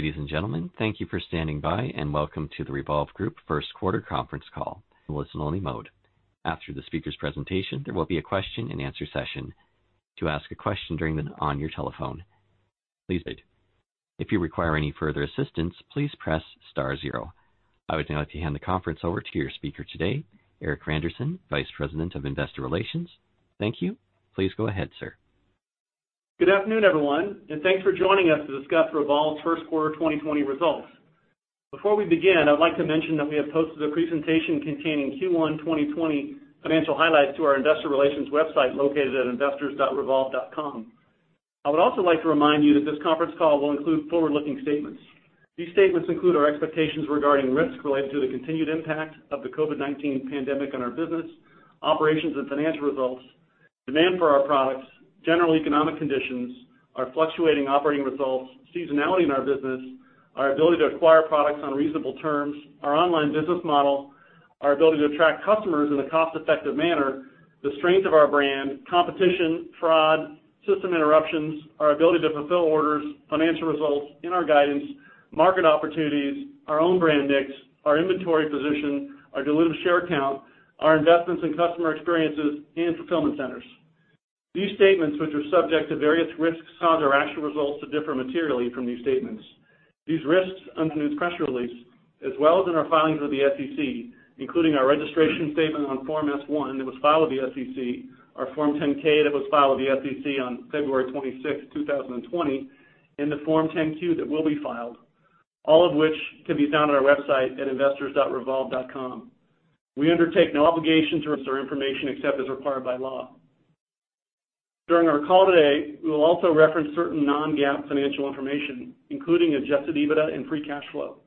Ladies and gentlemen, thank you for standing by and welcome to the Revolve Group first quarter conference call. Listen-only mode. After the speaker's presentation, there will be a question-and-answer session. To ask a question during the session, please wait. If you require any further assistance, please press star zero. I would now like to hand the conference over to your speaker today, Erik Randerson, Vice President of Investor Relations. Thank you. Please go ahead, sir. Good afternoon, everyone, and thanks for joining us to discuss Revolve's first quarter 2020 results. Before we begin, I'd like to mention that we have posted a presentation containing Q1 2020 financial highlights to our Investor Relations website located at investors.revolve.com. I would also like to remind you that this conference call will include forward-looking statements. These statements include our expectations regarding risk related to the continued impact of the COVID-19 pandemic on our business, operations and financial results, demand for our products, general economic conditions, our fluctuating operating results, seasonality in our business, our ability to acquire products on reasonable terms, our online business model, our ability to attract customers in a cost-effective manner, the strength of our brand, competition, fraud, system interruptions, our ability to fulfill orders, financial results in our guidance, market opportunities, our own brand mix, our inventory position, our diluted share count, our investments in customer experiences, and fulfillment centers. These statements, which are subject to various risks, cause our actual results to differ materially from these statements. These risks under news press release, as well as in our filings with the SEC, including our registration statement on Form S-1 that was filed with the SEC, our Form 10-K that was filed with the SEC on February 26, 2020, and the Form 10-Q that will be filed, all of which can be found on our website at investors.revolve.com. We undertake no obligation to release our information except as required by law. During our call today, we will also reference certain non-GAAP financial information, including Adjusted EBITDA and Free Cash Flow.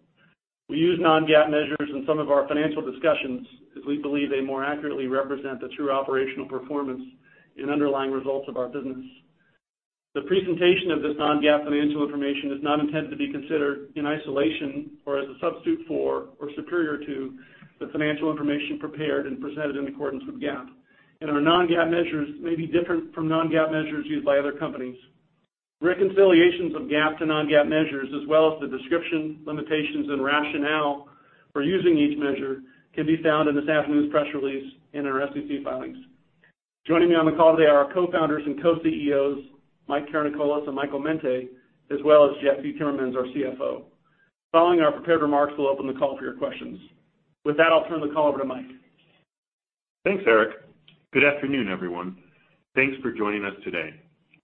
We use non-GAAP measures in some of our financial discussions as we believe they more accurately represent the true operational performance and underlying results of our business. The presentation of this non-GAAP financial information is not intended to be considered in isolation or as a substitute for or superior to the financial information prepared and presented in accordance with GAAP, and our non-GAAP measures may be different from non-GAAP measures used by other companies. Reconciliations of GAAP to non-GAAP measures, as well as the description, limitations, and rationale for using each measure, can be found in this afternoon's press release and in our SEC filings. Joining me on the call today are our Co-Founders and Co-CEOs, Mike Karanikolas and Michael Mente, as well as Jesse Timmermans, our CFO. Following our prepared remarks, we'll open the call for your questions. With that, I'll turn the call over to Mike. Thanks, Eric. Good afternoon, everyone. Thanks for joining us today.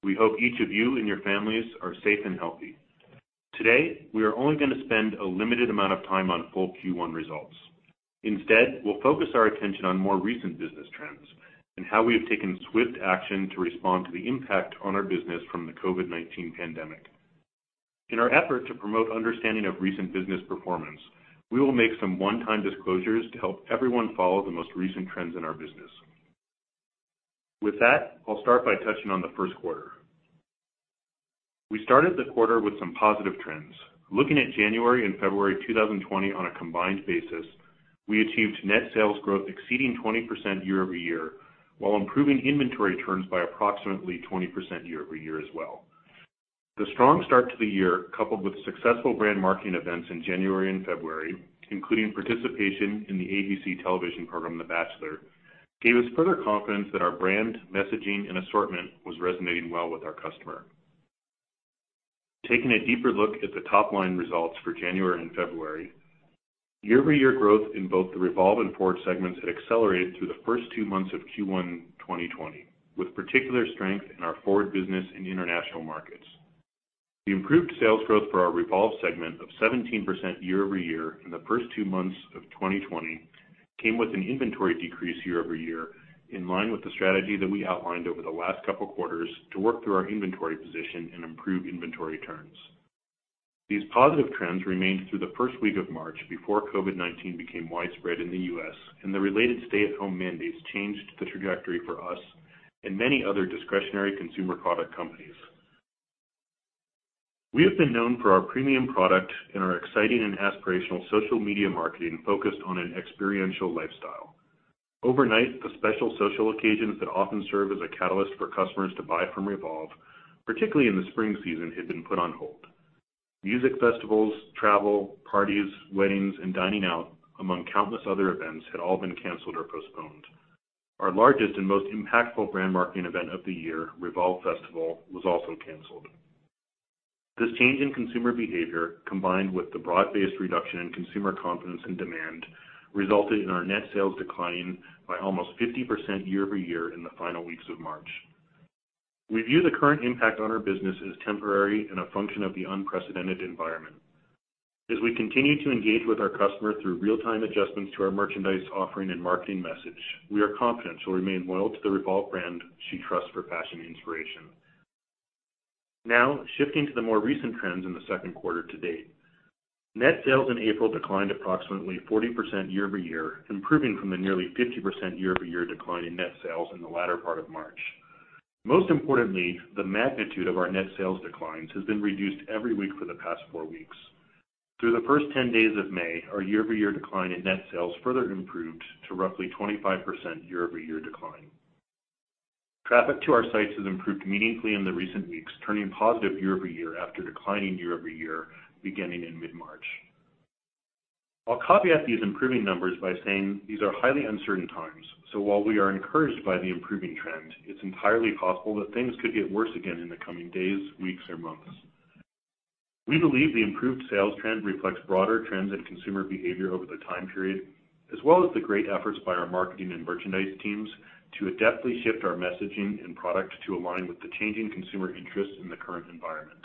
We hope each of you and your families are safe and healthy. Today, we are only going to spend a limited amount of time on full Q1 results. Instead, we'll focus our attention on more recent business trends and how we have taken swift action to respond to the impact on our business from the COVID-19 pandemic. In our effort to promote understanding of recent business performance, we will make some one-time disclosures to help everyone follow the most recent trends in our business. With that, I'll start by touching on the first quarter. We started the quarter with some positive trends. Looking at January and February 2020 on a combined basis, we achieved net sales growth exceeding 20% year-over-year while improving inventory turns by approximately 20% year-over-year as well. The strong start to the year, coupled with successful brand marketing events in January and February, including participation in the ABC television program, The Bachelor, gave us further confidence that our brand, messaging, and assortment was resonating well with our customer. Taking a deeper look at the top-line results for January and February, year-over-year growth in both the REVOLVE and FWRD segments had accelerated through the first two months of Q1 2020, with particular strength in our FWRD business and international markets. The improved sales growth for our REVOLVE segment of 17% year-over-year in the first two months of 2020 came with an inventory decrease year-over-year in line with the strategy that we outlined over the last couple of quarters to work through our inventory position and improve inventory turns. These positive trends remained through the first week of March before COVID-19 became widespread in the U.S., and the related stay-at-home mandates changed the trajectory for us and many other discretionary consumer product companies. We have been known for our premium product and our exciting and aspirational social media marketing focused on an experiential lifestyle. Overnight, the special social occasions that often serve as a catalyst for customers to buy from REVOLVE, particularly in the spring season, had been put on hold. Music festivals, travel, parties, weddings, and dining out, among countless other events, had all been canceled or postponed. Our largest and most impactful brand marketing event of the year, REVOLVE Festival, was also canceled. This change in consumer behavior, combined with the broad-based reduction in consumer confidence and demand, resulted in our net sales declining by almost 50% year-over-year in the final weeks of March. We view the current impact on our business as temporary and a function of the unprecedented environment. As we continue to engage with our customer through real-time adjustments to our merchandise offering and marketing message, we are confident she'll remain loyal to the REVOLVE brand she trusts for fashion inspiration. Now, shifting to the more recent trends in the second quarter to date, net sales in April declined approximately 40% year-over-year, improving from the nearly 50% year-over-year decline in net sales in the latter part of March. Most importantly, the magnitude of our net sales declines has been reduced every week for the past four weeks. Through the first 10 days of May, our year-over-year decline in net sales further improved to roughly 25% year-over-year decline. Traffic to our sites has improved meaningfully in the recent weeks, turning positive year-over-year after declining year-over-year beginning in mid-March. I'll caveat these improving numbers by saying these are highly uncertain times, so while we are encouraged by the improving trend, it's entirely possible that things could get worse again in the coming days, weeks, or months. We believe the improved sales trend reflects broader trends in consumer behavior over the time period, as well as the great efforts by our marketing and merchandise teams to adeptly shift our messaging and product to align with the changing consumer interests in the current environment.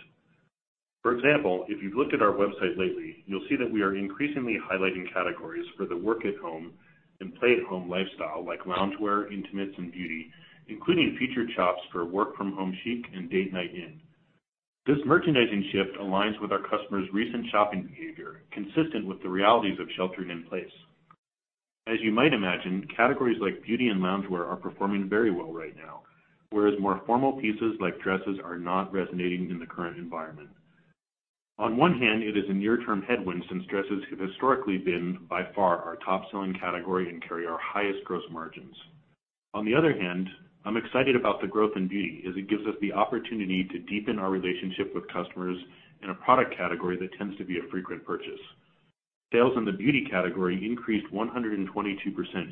For example, if you've looked at our website lately, you'll see that we are increasingly highlighting categories for the work-at-home and play-at-home lifestyle, like loungewear, intimates, and beauty, including featured shops for work-from-home chic and date-night in. This merchandising shift aligns with our customers' recent shopping behavior, consistent with the realities of sheltering in place. As you might imagine, categories like beauty and loungewear are performing very well right now, whereas more formal pieces like dresses are not resonating in the current environment. On one hand, it is a near-term headwind since dresses have historically been, by far, our top-selling category and carry our highest gross margins. On the other hand, I'm excited about the growth in beauty as it gives us the opportunity to deepen our relationship with customers in a product category that tends to be a frequent purchase. Sales in the beauty category increased 122%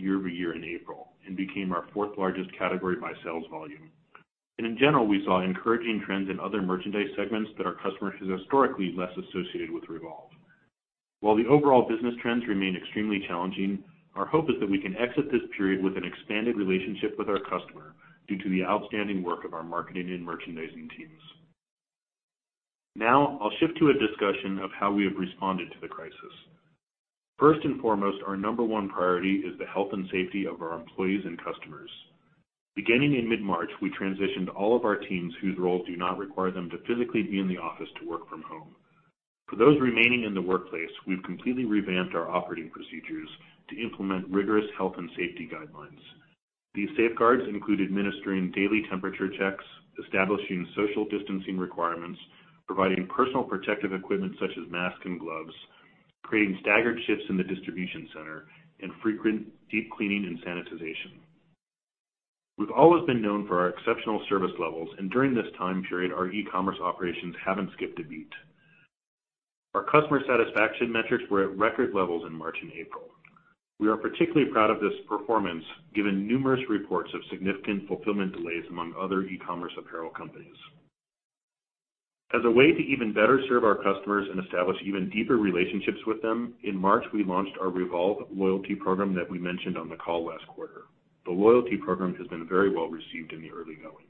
year-over-year in April and became our fourth-largest category by sales volume. And in general, we saw encouraging trends in other merchandise segments that our customers have historically less associated with REVOLVE. While the overall business trends remain extremely challenging, our hope is that we can exit this period with an expanded relationship with our customer due to the outstanding work of our marketing and merchandising teams. Now, I'll shift to a discussion of how we have responded to the crisis. First and foremost, our number one priority is the health and safety of our employees and customers. Beginning in mid-March, we transitioned all of our teams whose roles do not require them to physically be in the office to work from home. For those remaining in the workplace, we've completely revamped our operating procedures to implement rigorous health and safety guidelines. These safeguards include administering daily temperature checks, establishing social distancing requirements, providing personal protective equipment such as masks and gloves, creating staggered shifts in the distribution center, and frequent deep cleaning and sanitization. We've always been known for our exceptional service levels, and during this time period, our e-commerce operations haven't skipped a beat. Our customer satisfaction metrics were at record levels in March and April. We are particularly proud of this performance given numerous reports of significant fulfillment delays among other e-commerce apparel companies. As a way to even better serve our customers and establish even deeper relationships with them, in March, we launched our REVOLVE Loyalty Program that we mentioned on the call last quarter. The Loyalty Program has been very well received in the early going.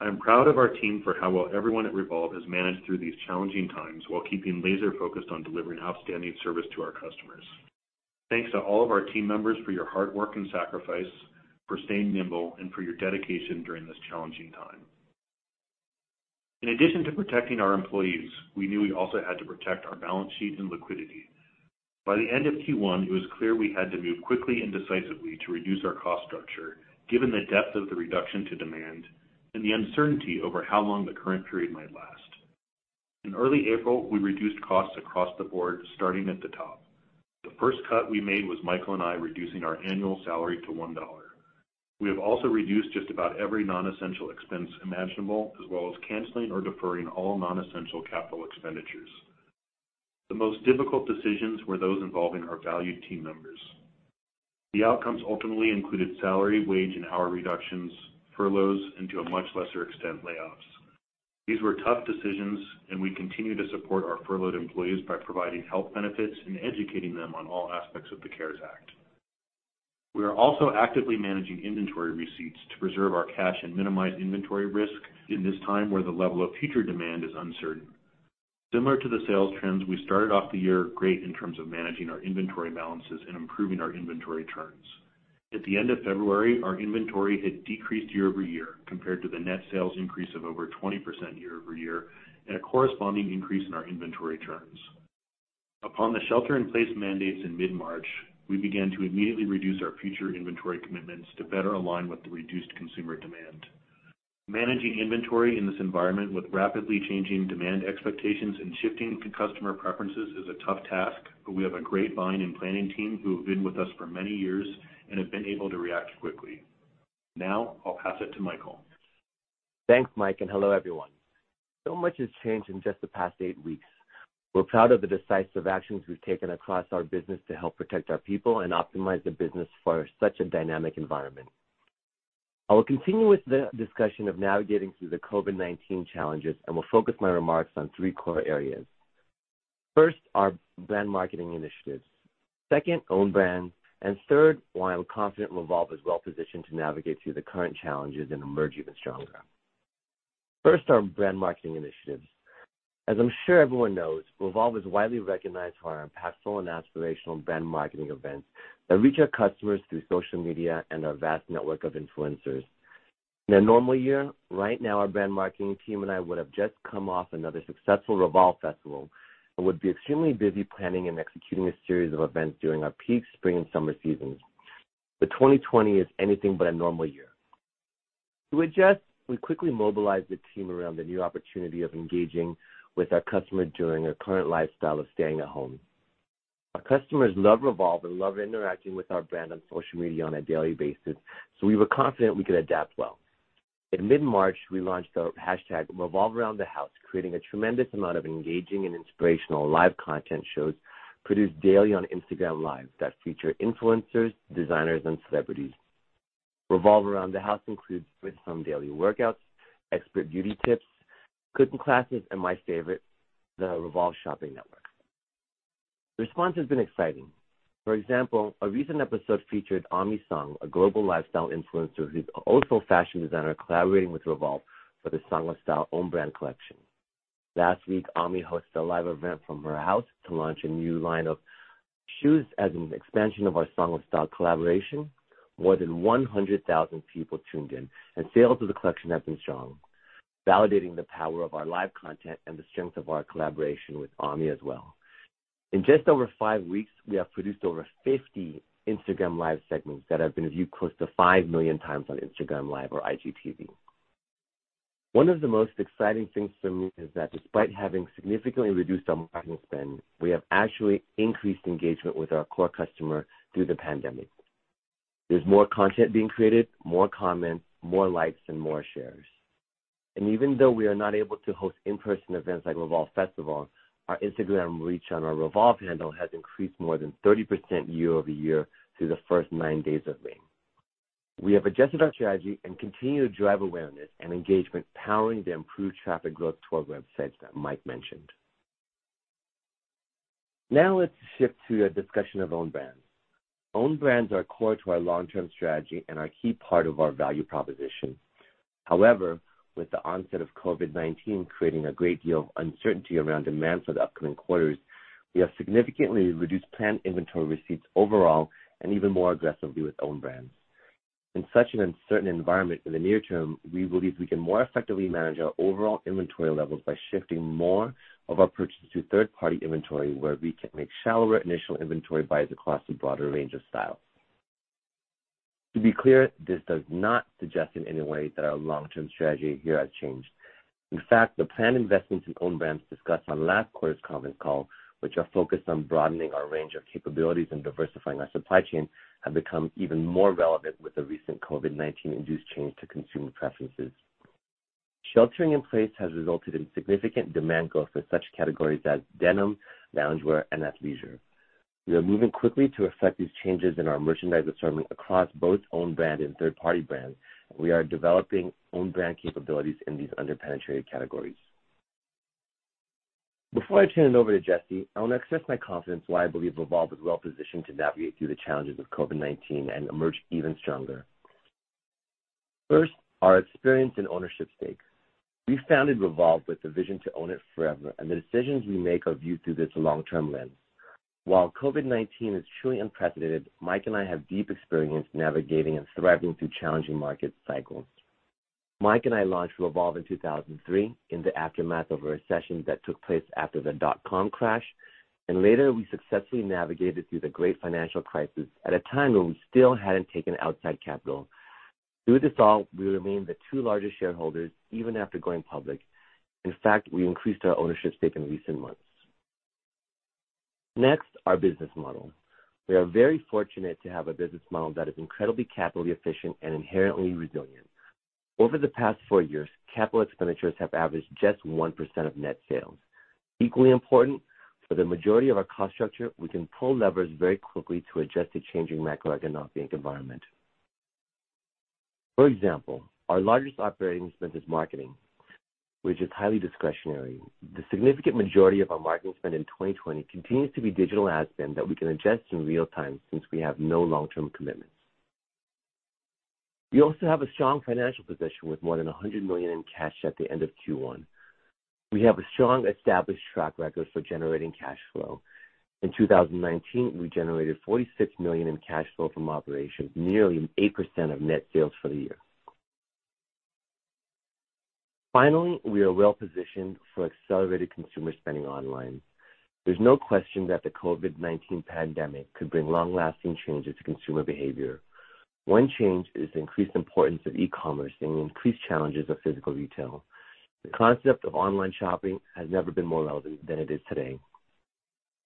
I am proud of our team for how well everyone at REVOLVE has managed through these challenging times while keeping laser-focused on delivering outstanding service to our customers. Thanks to all of our team members for your hard work and sacrifice, for staying nimble, and for your dedication during this challenging time. In addition to protecting our employees, we knew we also had to protect our balance sheet and liquidity. By the end of Q1, it was clear we had to move quickly and decisively to reduce our cost structure given the depth of the reduction to demand and the uncertainty over how long the current period might last. In early April, we reduced costs across the board, starting at the top. The first cut we made was Michael and I reducing our annual salary to $1. We have also reduced just about every non-essential expense imaginable, as well as canceling or deferring all non-essential capital expenditures. The most difficult decisions were those involving our valued team members. The outcomes ultimately included salary, wage, and hour reductions, furloughs, and to a much lesser extent, layoffs. These were tough decisions, and we continue to support our furloughed employees by providing health benefits and educating them on all aspects of the CARES Act. We are also actively managing inventory receipts to preserve our cash and minimize inventory risk in this time where the level of future demand is uncertain. Similar to the sales trends, we started off the year great in terms of managing our inventory balances and improving our inventory turns. At the end of February, our inventory had decreased year-over-year compared to the net sales increase of over 20% year-over-year and a corresponding increase in our inventory turns. Upon the shelter-in-place mandates in mid-March, we began to immediately reduce our future inventory commitments to better align with the reduced consumer demand. Managing inventory in this environment with rapidly changing demand expectations and shifting customer preferences is a tough task, but we have a great buying and planning team who have been with us for many years and have been able to react quickly. Now, I'll pass it to Michael. Thanks, Mike, and hello, everyone. So much has changed in just the past eight weeks. We're proud of the decisive actions we've taken across our business to help protect our people and optimize the business for such a dynamic environment. I will continue with the discussion of navigating through the COVID-19 challenges, and will focus my remarks on three core areas. First, our brand marketing initiatives. Second, own brands. And third, why I'm confident REVOLVE is well-positioned to navigate through the current challenges and emerge even stronger. First, our brand marketing initiatives. As I'm sure everyone knows, REVOLVE is widely recognized for our impactful and aspirational brand marketing events that reach our customers through social media and our vast network of influencers. In a normal year, right now, our brand marketing team and I would have just come off another successful REVOLVE Festival and would be extremely busy planning and executing a series of events during our peak spring and summer seasons. But 2020 is anything but a normal year. To adjust, we quickly mobilized the team around the new opportunity of engaging with our customer during our current lifestyle of staying at home. Our customers love REVOLVE and love interacting with our brand on social media on a daily basis, so we were confident we could adapt well. In mid-March, we launched our #REVOLVEAroundTheHouse, creating a tremendous amount of engaging and inspirational live content shows produced daily on Instagram Live that feature influencers, designers, and celebrities. REVOLVE Around The House includes with some daily workouts, expert beauty tips, cooking classes, and my favorite, the REVOLVE Shopping Network. The response has been exciting. For example, a recent episode featured Aimee Song, a global lifestyle influencer who's also a fashion designer collaborating with REVOLVE for the Song of Style own brand collection. Last week, Aimee hosted a live event from her house to launch a new line of shoes as an expansion of our Song of Style collaboration. More than 100,000 people tuned in, and sales of the collection have been strong, validating the power of our live content and the strength of our collaboration with Aimee as well. In just over five weeks, we have produced over 50 Instagram Live segments that have been viewed close to 5 million times on Instagram Live or IGTV. One of the most exciting things for me is that despite having significantly reduced our marketing spend, we have actually increased engagement with our core customer through the pandemic. There's more content being created, more comments, more likes, and more shares, and even though we are not able to host in-person events like REVOLVE Festival, our Instagram reach on our REVOLVE handle has increased more than 30% year-over-year through the first nine days of May. We have adjusted our strategy and continue to drive awareness and engagement, powering the improved traffic growth toward websites that Mike mentioned. Now, let's shift to a discussion of own brands. Own brands are core to our long-term strategy and are a key part of our value proposition. However, with the onset of COVID-19 creating a great deal of uncertainty around demand for the upcoming quarters, we have significantly reduced planned inventory receipts overall and even more aggressively with own brands. In such an uncertain environment in the near term, we believe we can more effectively manage our overall inventory levels by shifting more of our purchase to third-party inventory, where we can make shallower initial inventory buys across a broader range of styles. To be clear, this does not suggest in any way that our long-term strategy here has changed. In fact, the planned investments in own brands discussed on last quarter's conference call, which are focused on broadening our range of capabilities and diversifying our supply chain, have become even more relevant with the recent COVID-19-induced change to consumer preferences. Sheltering in place has resulted in significant demand growth for such categories as denim, loungewear, and athleisure. We are moving quickly to reflect these changes in our merchandise assortment across both own brand and third-party brands, and we are developing own brand capabilities in these underpenetrated categories. Before I turn it over to Jesse, I want to express my confidence why I believe REVOLVE is well-positioned to navigate through the challenges of COVID-19 and emerge even stronger. First, our experience and ownership stake. We founded REVOLVE with the vision to own it forever, and the decisions we make are viewed through this long-term lens. While COVID-19 is truly unprecedented, Mike and I have deep experience navigating and thriving through challenging market cycles. Mike and I launched REVOLVE in 2003 in the aftermath of a recession that took place after the dot-com crash, and later, we successfully navigated through the Great Financial Crisis at a time when we still hadn't taken outside capital. Through this all, we remained the two largest shareholders even after going public. In fact, we increased our ownership stake in recent months. Next, our business model. We are very fortunate to have a business model that is incredibly capital-efficient and inherently resilient. Over the past four years, capital expenditures have averaged just 1% of net sales. Equally important, for the majority of our cost structure, we can pull levers very quickly to adjust to changing macroeconomic environments. For example, our largest operating expense is marketing, which is highly discretionary. The significant majority of our marketing spend in 2020 continues to be digital ad spend that we can adjust in real time since we have no long-term commitments. We also have a strong financial position with more than $100 million in cash at the end of Q1. We have a strong established track record for generating cash flow. In 2019, we generated $46 million in cash flow from operations, nearly 8% of net sales for the year. Finally, we are well-positioned for accelerated consumer spending online. There's no question that the COVID-19 pandemic could bring long-lasting changes to consumer behavior. One change is the increased importance of e-commerce and the increased challenges of physical retail. The concept of online shopping has never been more relevant than it is today.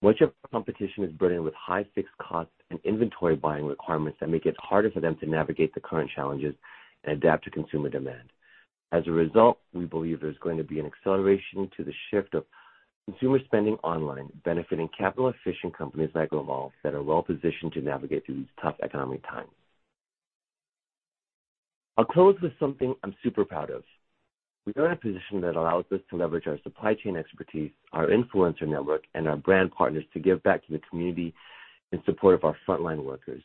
Much of our competition is burdened with high fixed costs and inventory buying requirements that make it harder for them to navigate the current challenges and adapt to consumer demand. As a result, we believe there's going to be an acceleration to the shift of consumer spending online, benefiting capital-efficient companies like REVOLVE that are well-positioned to navigate through these tough economic times. I'll close with something I'm super proud of. We are in a position that allows us to leverage our supply chain expertise, our influencer network, and our brand partners to give back to the community in support of our frontline workers.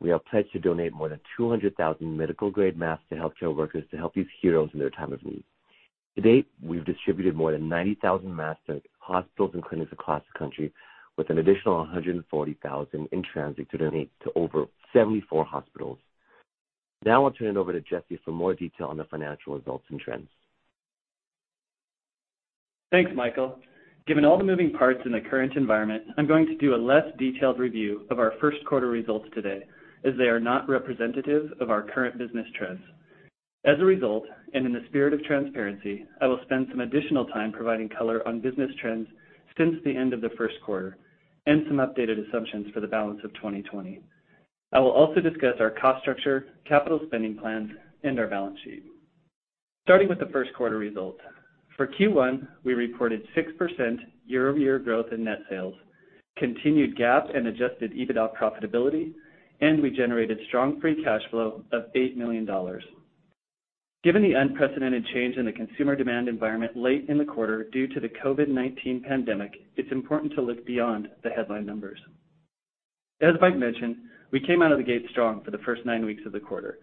We have pledged to donate more than 200,000 medical-grade masks to healthcare workers to help these heroes in their time of need. To date, we've distributed more than 90,000 masks to hospitals and clinics across the country, with an additional 140,000 in transit to donate to over 74 hospitals. Now, I'll turn it over to Jesse for more detail on the financial results and trends. Thanks, Michael. Given all the moving parts in the current environment, I'm going to do a less detailed review of our first quarter results today, as they are not representative of our current business trends. As a result, and in the spirit of transparency, I will spend some additional time providing color on business trends since the end of the first quarter and some updated assumptions for the balance of 2020. I will also discuss our cost structure, capital spending plans, and our balance sheet. Starting with the first quarter results. For Q1, we reported 6% year-over-year growth in net sales, continued GAAP and adjusted EBITDA profitability, and we generated strong free cash flow of $8 million. Given the unprecedented change in the consumer demand environment late in the quarter due to the COVID-19 pandemic, it's important to look beyond the headline numbers. As Mike mentioned, we came out of the gate strong for the first nine weeks of the quarter.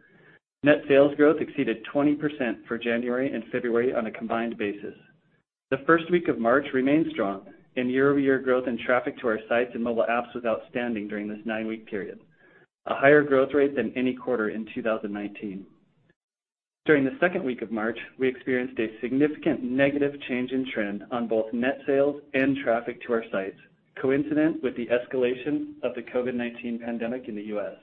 Net sales growth exceeded 20% for January and February on a combined basis. The first week of March remained strong, and year-over-year growth in traffic to our sites and mobile apps was outstanding during this nine-week period, a higher growth rate than any quarter in 2019. During the second week of March, we experienced a significant negative change in trend on both net sales and traffic to our sites, coincident with the escalation of the COVID-19 pandemic in the U.S.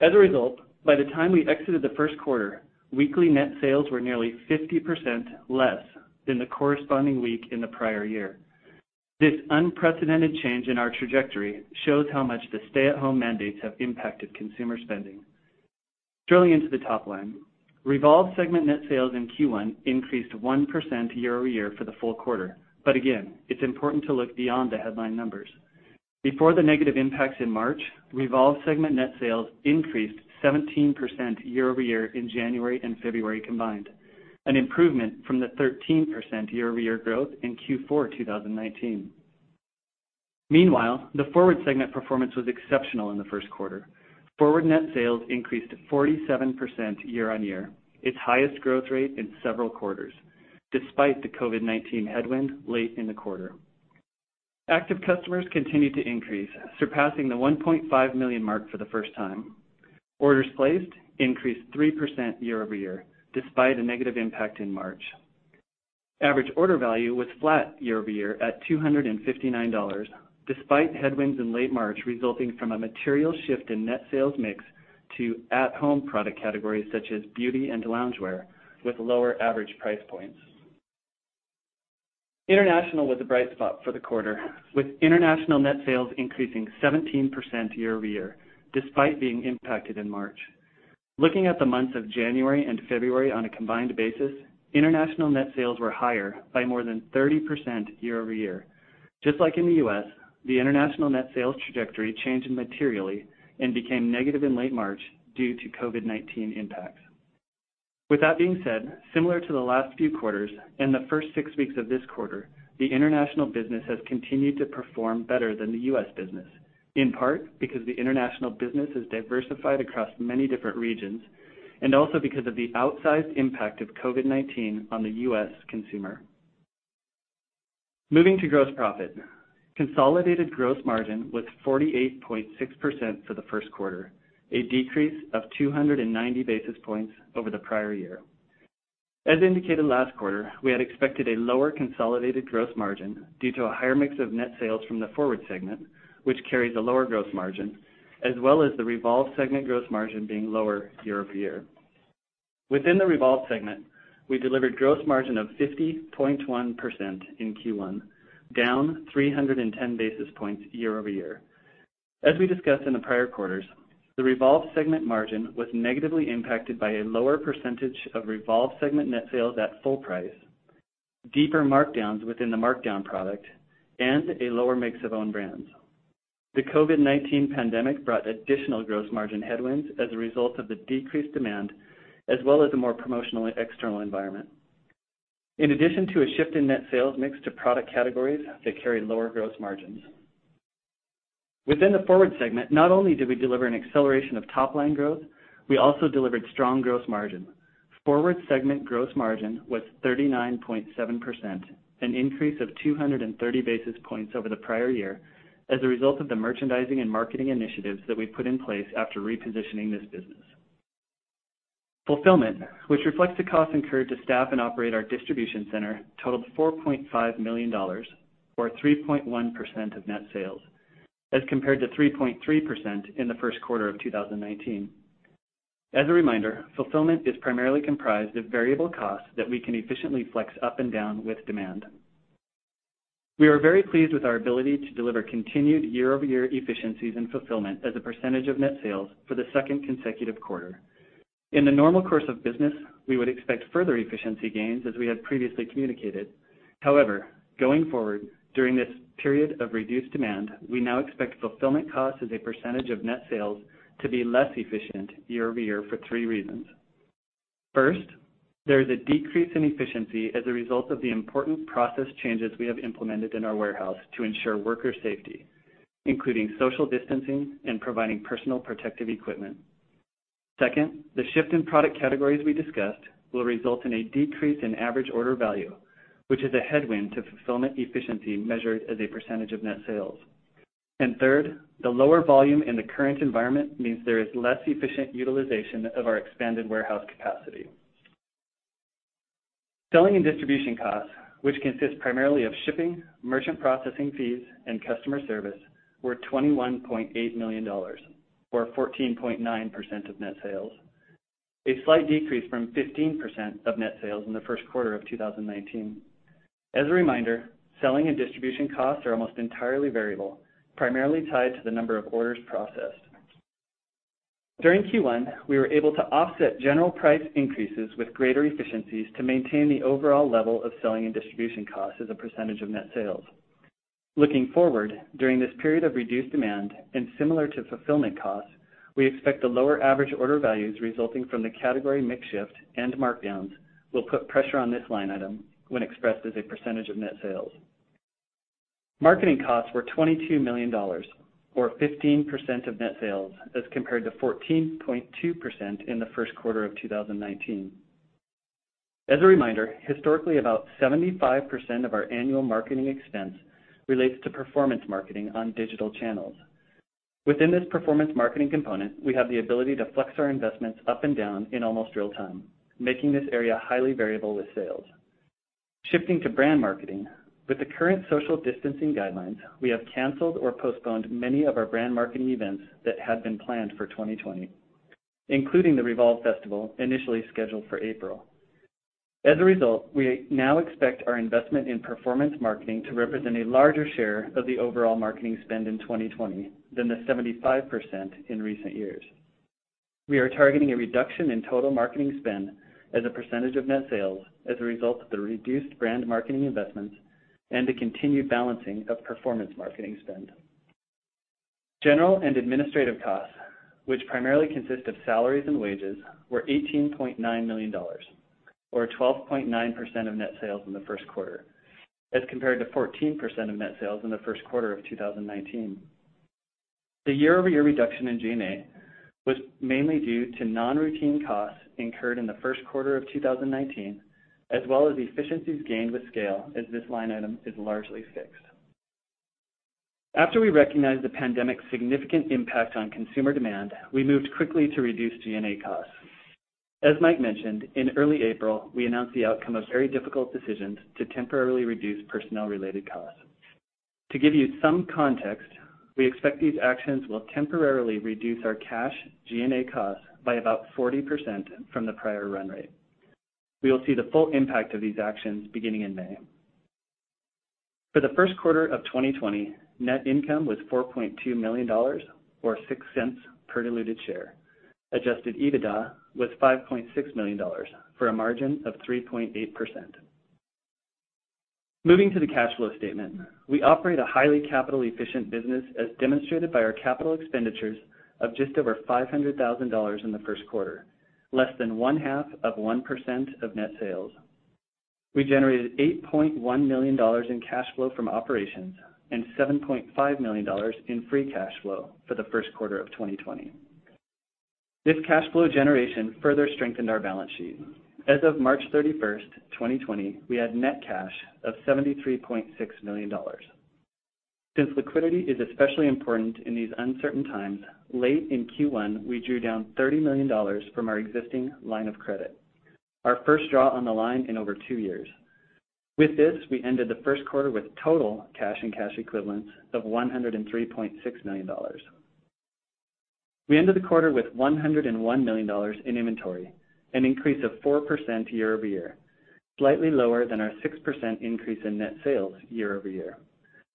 As a result, by the time we exited the first quarter, weekly net sales were nearly 50% less than the corresponding week in the prior year. This unprecedented change in our trajectory shows how much the stay-at-home mandates have impacted consumer spending. Drilling into the top line, REVOLVE segment net sales in Q1 increased 1% year-over-year for the full quarter. But again, it's important to look beyond the headline numbers. Before the negative impacts in March, REVOLVE segment net sales increased 17% year-over-year in January and February combined, an improvement from the 13% year-over-year growth in Q4 2019. Meanwhile, the FWRD segment performance was exceptional in the first quarter. FWRD net sales increased 47% year-over-year, its highest growth rate in several quarters, despite the COVID-19 headwind late in the quarter. Active customers continued to increase, surpassing the 1.5 million mark for the first time. Orders placed increased 3% year-over-year, despite a negative impact in March. Average order value was flat year-over-year at $259, despite headwinds in late March resulting from a material shift in net sales mix to at-home product categories such as beauty and loungewear, with lower average price points. International was a bright spot for the quarter, with international net sales increasing 17% year-over-year, despite being impacted in March. Looking at the months of January and February on a combined basis, international net sales were higher by more than 30% year-over-year. Just like in the U.S., the international net sales trajectory changed materially and became negative in late March due to COVID-19 impacts. With that being said, similar to the last few quarters and the first six weeks of this quarter, the international business has continued to perform better than the U.S. business, in part because the international business is diversified across many different regions and also because of the outsized impact of COVID-19 on the U.S. consumer. Moving to gross profit, consolidated gross margin was 48.6% for the first quarter, a decrease of 290 basis points over the prior year. As indicated last quarter, we had expected a lower consolidated gross margin due to a higher mix of net sales from the FWRD segment, which carries a lower gross margin, as well as the REVOLVE segment gross margin being lower year-over-year. Within the REVOLVE segment, we delivered gross margin of 50.1% in Q1, down 310 basis points year-over-year. As we discussed in the prior quarters, the REVOLVE segment margin was negatively impacted by a lower percentage of REVOLVE segment net sales at full price, deeper markdowns within the markdown product, and a lower mix of own brands. The COVID-19 pandemic brought additional gross margin headwinds as a result of the decreased demand, as well as a more promotional external environment, in addition to a shift in net sales mix to product categories that carry lower gross margins. Within the FWRD segment, not only did we deliver an acceleration of top-line growth, we also delivered strong gross margin. FWRD segment gross margin was 39.7%, an increase of 230 basis points over the prior year as a result of the merchandising and marketing initiatives that we put in place after repositioning this business. Fulfillment, which reflects the cost incurred to staff and operate our distribution center, totaled $4.5 million, or 3.1% of net sales, as compared to 3.3% in the first quarter of 2019. As a reminder, fulfillment is primarily comprised of variable costs that we can efficiently flex up and down with demand. We are very pleased with our ability to deliver continued year-over-year efficiencies in fulfillment as a percentage of net sales for the second consecutive quarter. In the normal course of business, we would expect further efficiency gains as we had previously communicated. However, going forward during this period of reduced demand, we now expect fulfillment costs as a percentage of net sales to be less efficient year-over-year for three reasons. First, there is a decrease in efficiency as a result of the important process changes we have implemented in our warehouse to ensure worker safety, including social distancing and providing personal protective equipment. Second, the shift in product categories we discussed will result in a decrease in average order value, which is a headwind to fulfillment efficiency measured as a percentage of net sales. And third, the lower volume in the current environment means there is less efficient utilization of our expanded warehouse capacity. Selling and distribution costs, which consist primarily of shipping, merchant processing fees, and customer service, were $21.8 million, or 14.9% of net sales, a slight decrease from 15% of net sales in the first quarter of 2019. As a reminder, selling and distribution costs are almost entirely variable, primarily tied to the number of orders processed. During Q1, we were able to offset general price increases with greater efficiencies to maintain the overall level of selling and distribution costs as a percentage of net sales. Looking forward, during this period of reduced demand and similar to fulfillment costs, we expect the lower average order values resulting from the category mix shift and markdowns will put pressure on this line item when expressed as a percentage of net sales. Marketing costs were $22 million, or 15% of net sales, as compared to 14.2% in the first quarter of 2019. As a reminder, historically, about 75% of our annual marketing expense relates to performance marketing on digital channels. Within this performance marketing component, we have the ability to flex our investments up and down in almost real time, making this area highly variable with sales. Shifting to brand marketing, with the current social distancing guidelines, we have canceled or postponed many of our brand marketing events that had been planned for 2020, including the REVOLVE Festival initially scheduled for April. As a result, we now expect our investment in performance marketing to represent a larger share of the overall marketing spend in 2020 than the 75% in recent years. We are targeting a reduction in total marketing spend as a percentage of net sales as a result of the reduced brand marketing investments and the continued balancing of performance marketing spend. General and administrative costs, which primarily consist of salaries and wages, were $18.9 million, or 12.9% of net sales in the first quarter, as compared to 14% of net sales in the first quarter of 2019. The year-over-year reduction in G&A was mainly due to non-routine costs incurred in the first quarter of 2019, as well as efficiencies gained with scale, as this line item is largely fixed. After we recognized the pandemic's significant impact on consumer demand, we moved quickly to reduce G&A costs. As Mike mentioned, in early April, we announced the outcome of very difficult decisions to temporarily reduce personnel-related costs. To give you some context, we expect these actions will temporarily reduce our cash G&A costs by about 40% from the prior run rate. We will see the full impact of these actions beginning in May. For the first quarter of 2020, net income was $4.2 million, or $0.06 per diluted share. Adjusted EBITDA was $5.6 million, for a margin of 3.8%. Moving to the cash flow statement, we operate a highly capital-efficient business, as demonstrated by our capital expenditures of just over $500,000 in the first quarter, less than 0.5% of net sales. We generated $8.1 million in cash flow from operations and $7.5 million in free cash flow for the first quarter of 2020. This cash flow generation further strengthened our balance sheet. As of March 31st, 2020, we had net cash of $73.6 million. Since liquidity is especially important in these uncertain times, late in Q1, we drew down $30 million from our existing line of credit, our first draw on the line in over two years. With this, we ended the first quarter with total cash and cash equivalents of $103.6 million. We ended the quarter with $101 million in inventory, an increase of 4% year-over-year, slightly lower than our 6% increase in net sales year-over-year.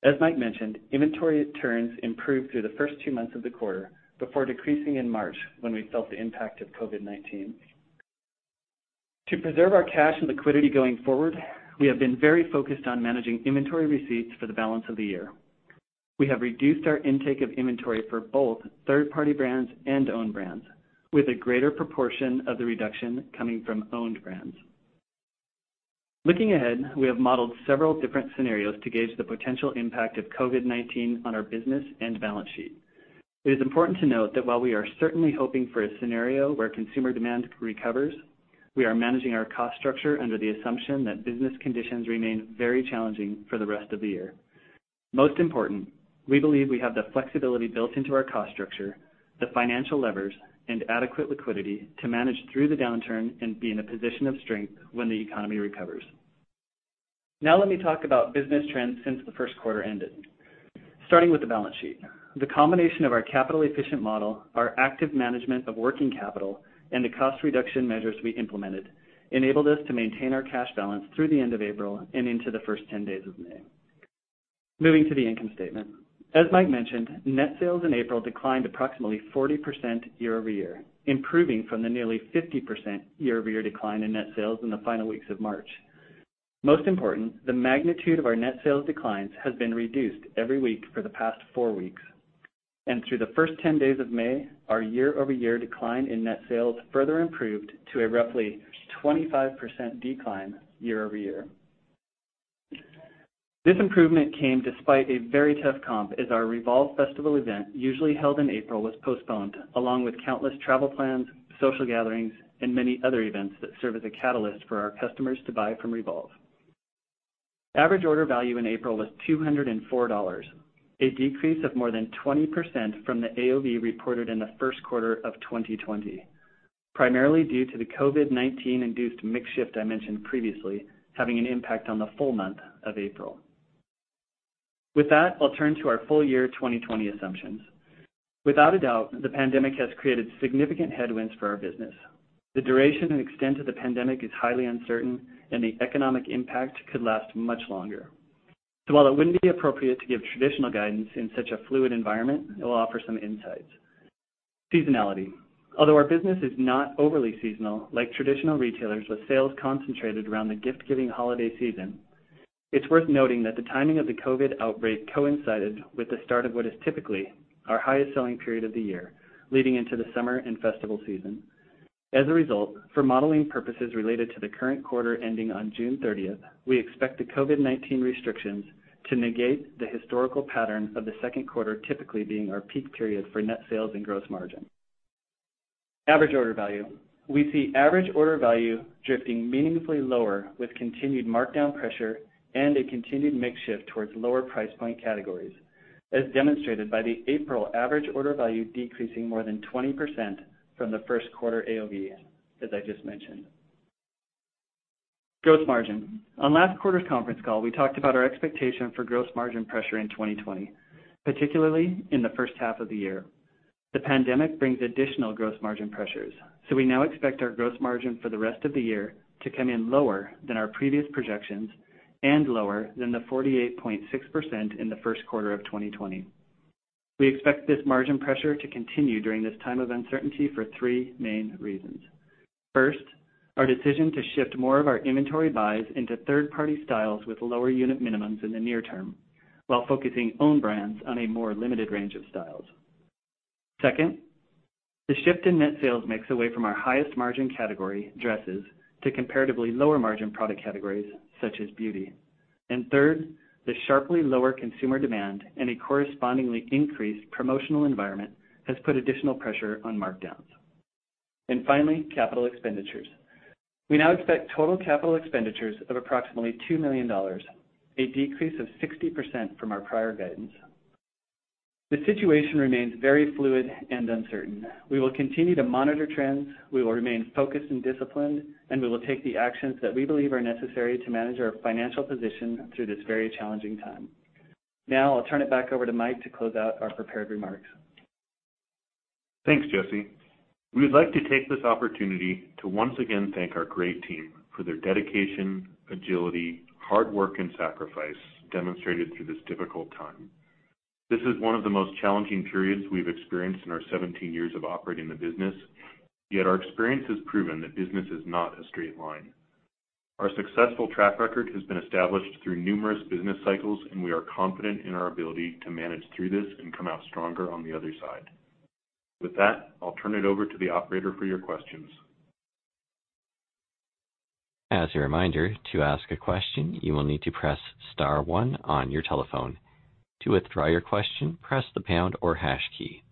As Mike mentioned, inventory turns improved through the first two months of the quarter before decreasing in March when we felt the impact of COVID-19. To preserve our cash and liquidity going forward, we have been very focused on managing inventory receipts for the balance of the year. We have reduced our intake of inventory for both third-party brands and own brands, with a greater proportion of the reduction coming from owned brands. Looking ahead, we have modeled several different scenarios to gauge the potential impact of COVID-19 on our business and balance sheet. It is important to note that while we are certainly hoping for a scenario where consumer demand recovers, we are managing our cost structure under the assumption that business conditions remain very challenging for the rest of the year. Most important, we believe we have the flexibility built into our cost structure, the financial levers, and adequate liquidity to manage through the downturn and be in a position of strength when the economy recovers. Now let me talk about business trends since the first quarter ended. Starting with the balance sheet, the combination of our capital-efficient model, our active management of working capital, and the cost reduction measures we implemented enabled us to maintain our cash balance through the end of April and into the first 10 days of May. Moving to the income statement, as Mike mentioned, net sales in April declined approximately 40% year-over-year, improving from the nearly 50% year-over-year decline in net sales in the final weeks of March. Most important, the magnitude of our net sales declines has been reduced every week for the past four weeks. And through the first 10 days of May, our year-over-year decline in net sales further improved to a roughly 25% decline year-over-year. This improvement came despite a very tough comp as our REVOLVE Festival event, usually held in April, was postponed, along with countless travel plans, social gatherings, and many other events that serve as a catalyst for our customers to buy from REVOLVE. Average order value in April was $204, a decrease of more than 20% from the AOV reported in the first quarter of 2020, primarily due to the COVID-19-induced mix shift I mentioned previously having an impact on the full month of April. With that, I'll turn to our full year 2020 assumptions. Without a doubt, the pandemic has created significant headwinds for our business. The duration and extent of the pandemic is highly uncertain, and the economic impact could last much longer. So while it wouldn't be appropriate to give traditional guidance in such a fluid environment, it will offer some insights. Seasonality, although our business is not overly seasonal like traditional retailers with sales concentrated around the gift-giving holiday season, it's worth noting that the timing of the COVID-19 outbreak coincided with the start of what is typically our highest selling period of the year, leading into the summer and festival season. As a result, for modeling purposes related to the current quarter ending on June 30, we expect the COVID-19 restrictions to negate the historical pattern of the second quarter typically being our peak period for net sales and gross margin. Average order value, we see average order value drifting meaningfully lower with continued markdown pressure and a continued mix shift towards lower price point categories, as demonstrated by the April average order value decreasing more than 20% from the first quarter AOV, as I just mentioned. Gross margin, on last quarter's conference call, we talked about our expectation for gross margin pressure in 2020, particularly in the first half of the year. The pandemic brings additional gross margin pressures, so we now expect our gross margin for the rest of the year to come in lower than our previous projections and lower than the 48.6% in the first quarter of 2020. We expect this margin pressure to continue during this time of uncertainty for three main reasons. First, our decision to shift more of our inventory buys into third-party styles with lower unit minimums in the near term while focusing own brands on a more limited range of styles. Second, the shift in net sales mix away from our highest margin category dresses to comparatively lower margin product categories such as beauty. And third, the sharply lower consumer demand and a correspondingly increased promotional environment has put additional pressure on markdowns. And finally, capital expenditures. We now expect total capital expenditures of approximately $2 million, a decrease of 60% from our prior guidance. The situation remains very fluid and uncertain. We will continue to monitor trends. We will remain focused and disciplined, and we will take the actions that we believe are necessary to manage our financial position through this very challenging time. Now I'll turn it back over to Mike to close out our prepared remarks. Thanks, Jesse. We would like to take this opportunity to once again thank our great team for their dedication, agility, hard work, and sacrifice demonstrated through this difficult time. This is one of the most challenging periods we've experienced in our 17 years of operating the business, yet our experience has proven that business is not a straight line. Our successful track record has been established through numerous business cycles, and we are confident in our ability to manage through this and come out stronger on the other side. With that, I'll turn it over to the operator for your questions. As a reminder, to ask a question, you will need to press star one on your telephone. To withdraw your question, press the pound or hash key.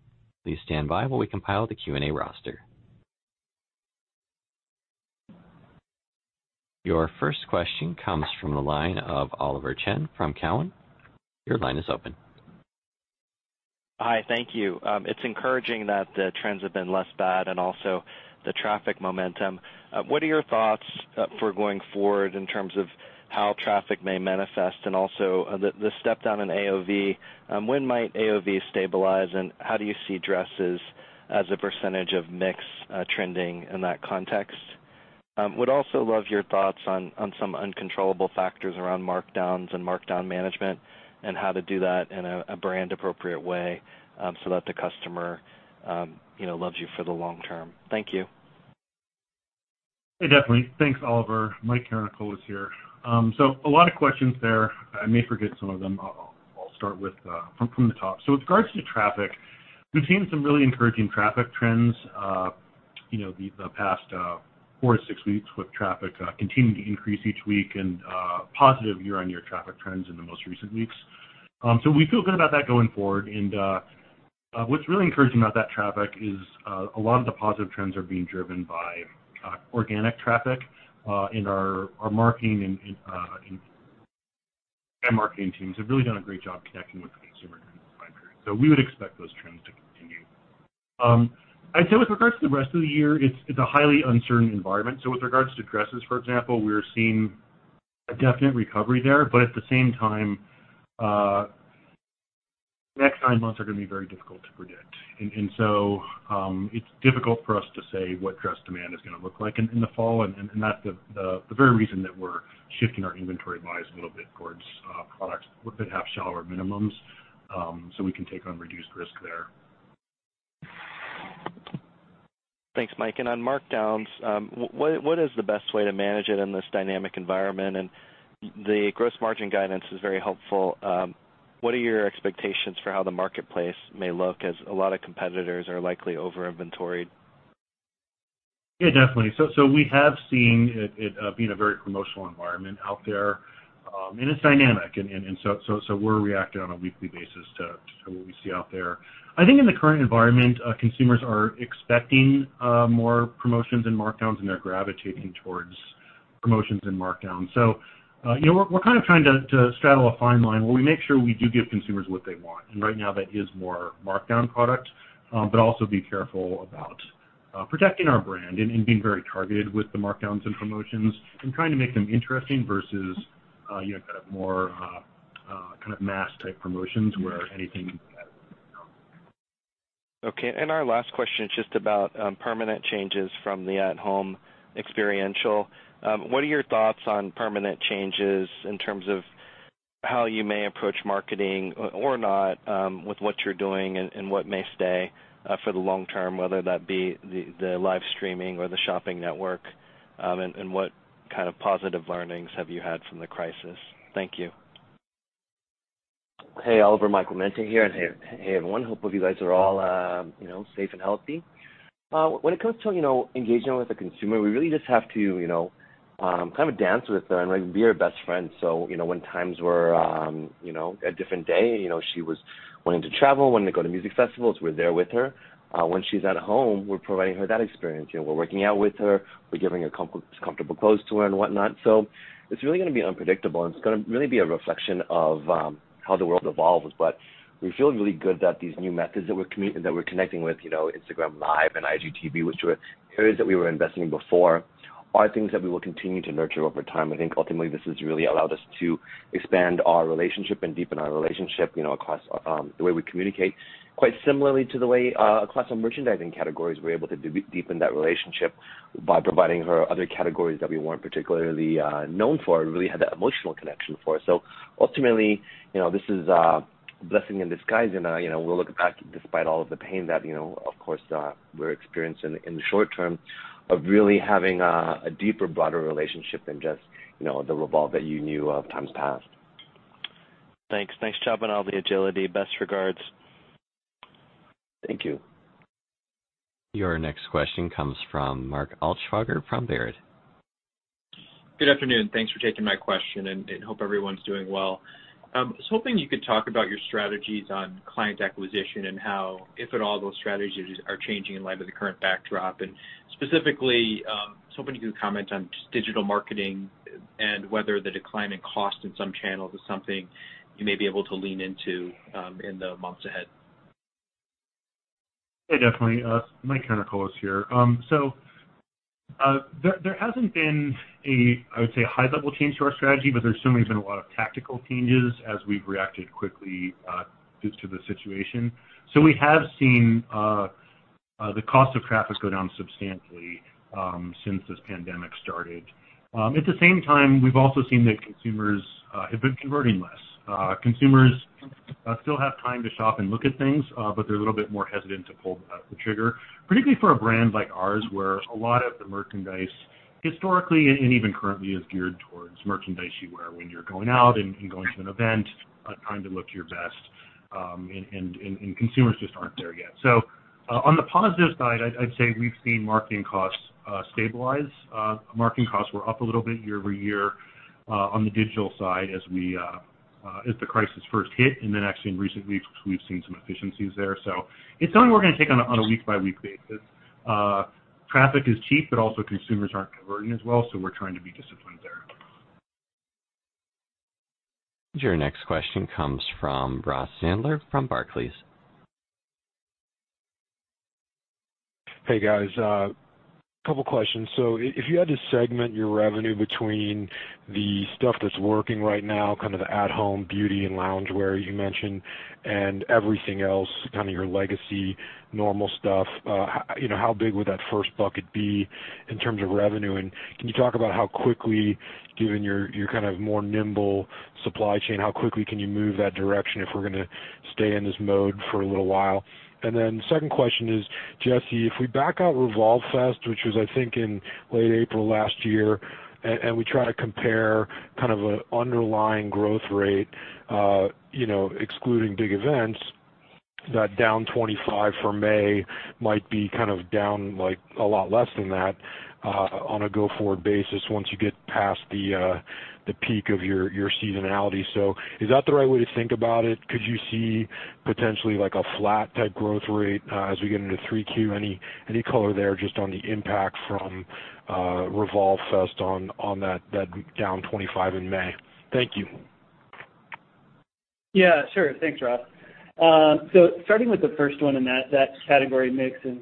Please stand by while we compile the Q&A roster. Your first question comes from the line of Oliver Chen from Cowen. Your line is open. Hi, thank you. It's encouraging that the trends have been less bad and also the traffic momentum. What are your thoughts for going forward in terms of how traffic may manifest and also the step down in AOV? When might AOV stabilize, and how do you see dresses as a percentage of mix trending in that context? Would also love your thoughts on some uncontrollable factors around markdowns and markdown management and how to do that in a brand-appropriate way so that the customer loves you for the long term. Thank you. Hey, definitely. Thanks, Oliver. Mike Karanikolas is here, so a lot of questions there. I may forget some of them. I'll start from the top, so with regards to traffic, we've seen some really encouraging traffic trends the past four-to-six weeks with traffic continuing to increase each week and positive year-on-year traffic trends in the most recent weeks, so we feel good about that going forward. What's really encouraging about that traffic is a lot of the positive trends are being driven by organic traffic, and our marketing and brand marketing teams have really done a great job connecting with the consumer during this time period. So we would expect those trends to continue. I'd say with regards to the rest of the year, it's a highly uncertain environment. So with regards to dresses, for example, we're seeing a definite recovery there. But at the same time, the next nine months are going to be very difficult to predict. And so it's difficult for us to say what dress demand is going to look like in the fall. And that's the very reason that we're shifting our inventory buys a little bit towards products that have shallower minimums so we can take on reduced risk there. Thanks, Mike. And on markdowns, what is the best way to manage it in this dynamic environment? And the gross margin guidance is very helpful. What are your expectations for how the marketplace may look as a lot of competitors are likely over-inventoried? Yeah, definitely. So we have seen it being a very promotional environment out there. And it's dynamic. And so we're reacting on a weekly basis to what we see out there. I think in the current environment, consumers are expecting more promotions and markdowns, and they're gravitating towards promotions and markdowns. So we're kind of trying to straddle a fine line where we make sure we do give consumers what they want. And right now, that is more markdown product, but also be careful about protecting our brand and being very targeted with the markdowns and promotions and trying to make them interesting versus kind of more kind of mass-type promotions where anything is added. Okay. And our last question is just about permanent changes from the at-home experiential. What are your thoughts on permanent changes in terms of how you may approach marketing or not with what you're doing and what may stay for the long term, whether that be the live streaming or the shopping network, and what kind of positive learnings have you had from the crisis? Thank you. Hey, Oliver, Michael Mente here, and hey, everyone. Hope you guys are all safe and healthy. When it comes to engaging with a consumer, we really just have to kind of dance with her and be her best friend. So when times were a different day, she was wanting to travel, wanting to go to music festivals, we're there with her. When she's at home, we're providing her that experience. We're working out with her. We're giving her comfortable clothes to wear and whatnot. So it's really going to be unpredictable, and it's going to really be a reflection of how the world evolves. But we feel really good that these new methods that we're connecting with, Instagram Live and IGTV, which were areas that we were investing in before, are things that we will continue to nurture over time. I think ultimately this has really allowed us to expand our relationship and deepen our relationship across the way we communicate, quite similarly to the way across our merchandising categories we're able to deepen that relationship by providing her other categories that we weren't particularly known for. We really had that emotional connection before. So ultimately, this is a blessing in disguise. And we'll look back despite all of the pain that, of course, we're experiencing in the short term of really having a deeper, broader relationship than just the REVOLVE that you knew of times past. Thanks. Thanks, Chubb and Ollie, Agility. Best regards. Thank you. Your next question comes from Mark Altschwager from Baird. Good afternoon. Thanks for taking my question. And hope everyone's doing well. I was hoping you could talk about your strategies on client acquisition and how, if at all, those strategies are changing in light of the current backdrop. And specifically, I was hoping you could comment on digital marketing and whether the decline in cost in some channels is something you may be able to lean into in the months ahead. Hey, definitely. Mike Karanikolas is here. So there hasn't been, I would say, a high-level change to our strategy, but there's certainly been a lot of tactical changes as we've reacted quickly to the situation. So we have seen the cost of traffic go down substantially since this pandemic started. At the same time, we've also seen that consumers have been converting less. Consumers still have time to shop and look at things, but they're a little bit more hesitant to pull the trigger, particularly for a brand like ours where a lot of the merchandise historically and even currently is geared towards merchandise you wear when you're going out and going to an event, trying to look your best. And consumers just aren't there yet. So on the positive side, I'd say we've seen marketing costs stabilize. Marketing costs were up a little bit year over year on the digital side as the crisis first hit. And then actually, in recent weeks, we've seen some efficiencies there. So it's something we're going to take on a week-by-week basis. Traffic is cheap, but also consumers aren't converting as well. So we're trying to be disciplined there. Your next question comes from Ross Sandler from Barclays. Hey, guys. A couple of questions. So if you had to segment your revenue between the stuff that's working right now, kind of the at-home beauty and loungewear you mentioned, and everything else, kind of your legacy normal stuff, how big would that first bucket be in terms of revenue? And can you talk about how quickly, given your kind of more nimble supply chain, how quickly can you move that direction if we're going to stay in this mode for a little while? And then the second question is, Jesse, if we back out REVOLVE Fest, which was, I think, in late April last year, and we try to compare kind of an underlying growth rate, excluding big events, that down 25% for May might be kind of down a lot less than that on a go-forward basis once you get past the peak of your seasonality. So is that the right way to think about it? Could you see potentially a flat-type growth rate as we get into 3Q? Any color there just on the impact from REVOLVE Fest on that down 25% in May? Thank you. Yeah, sure. Thanks, Ross. So, starting with the first one in that category mix and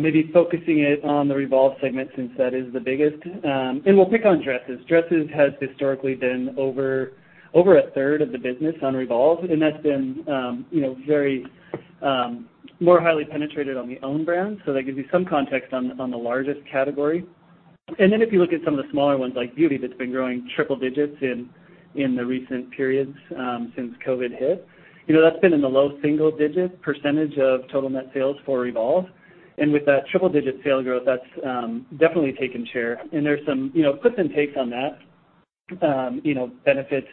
maybe focusing it on the REVOLVE segment since that is the biggest, and we'll pick on dresses. Dresses has historically been over a third of the business on REVOLVE, and that's been very more highly penetrated on the own brand, so that gives you some context on the largest category, and then if you look at some of the smaller ones like beauty, that's been growing triple digits in the recent periods since COVID hit. That's been in the low single-digit percentage of total net sales for REVOLVE, and with that triple-digit sale growth, that's definitely taken share, and there's some puts and takes on that benefits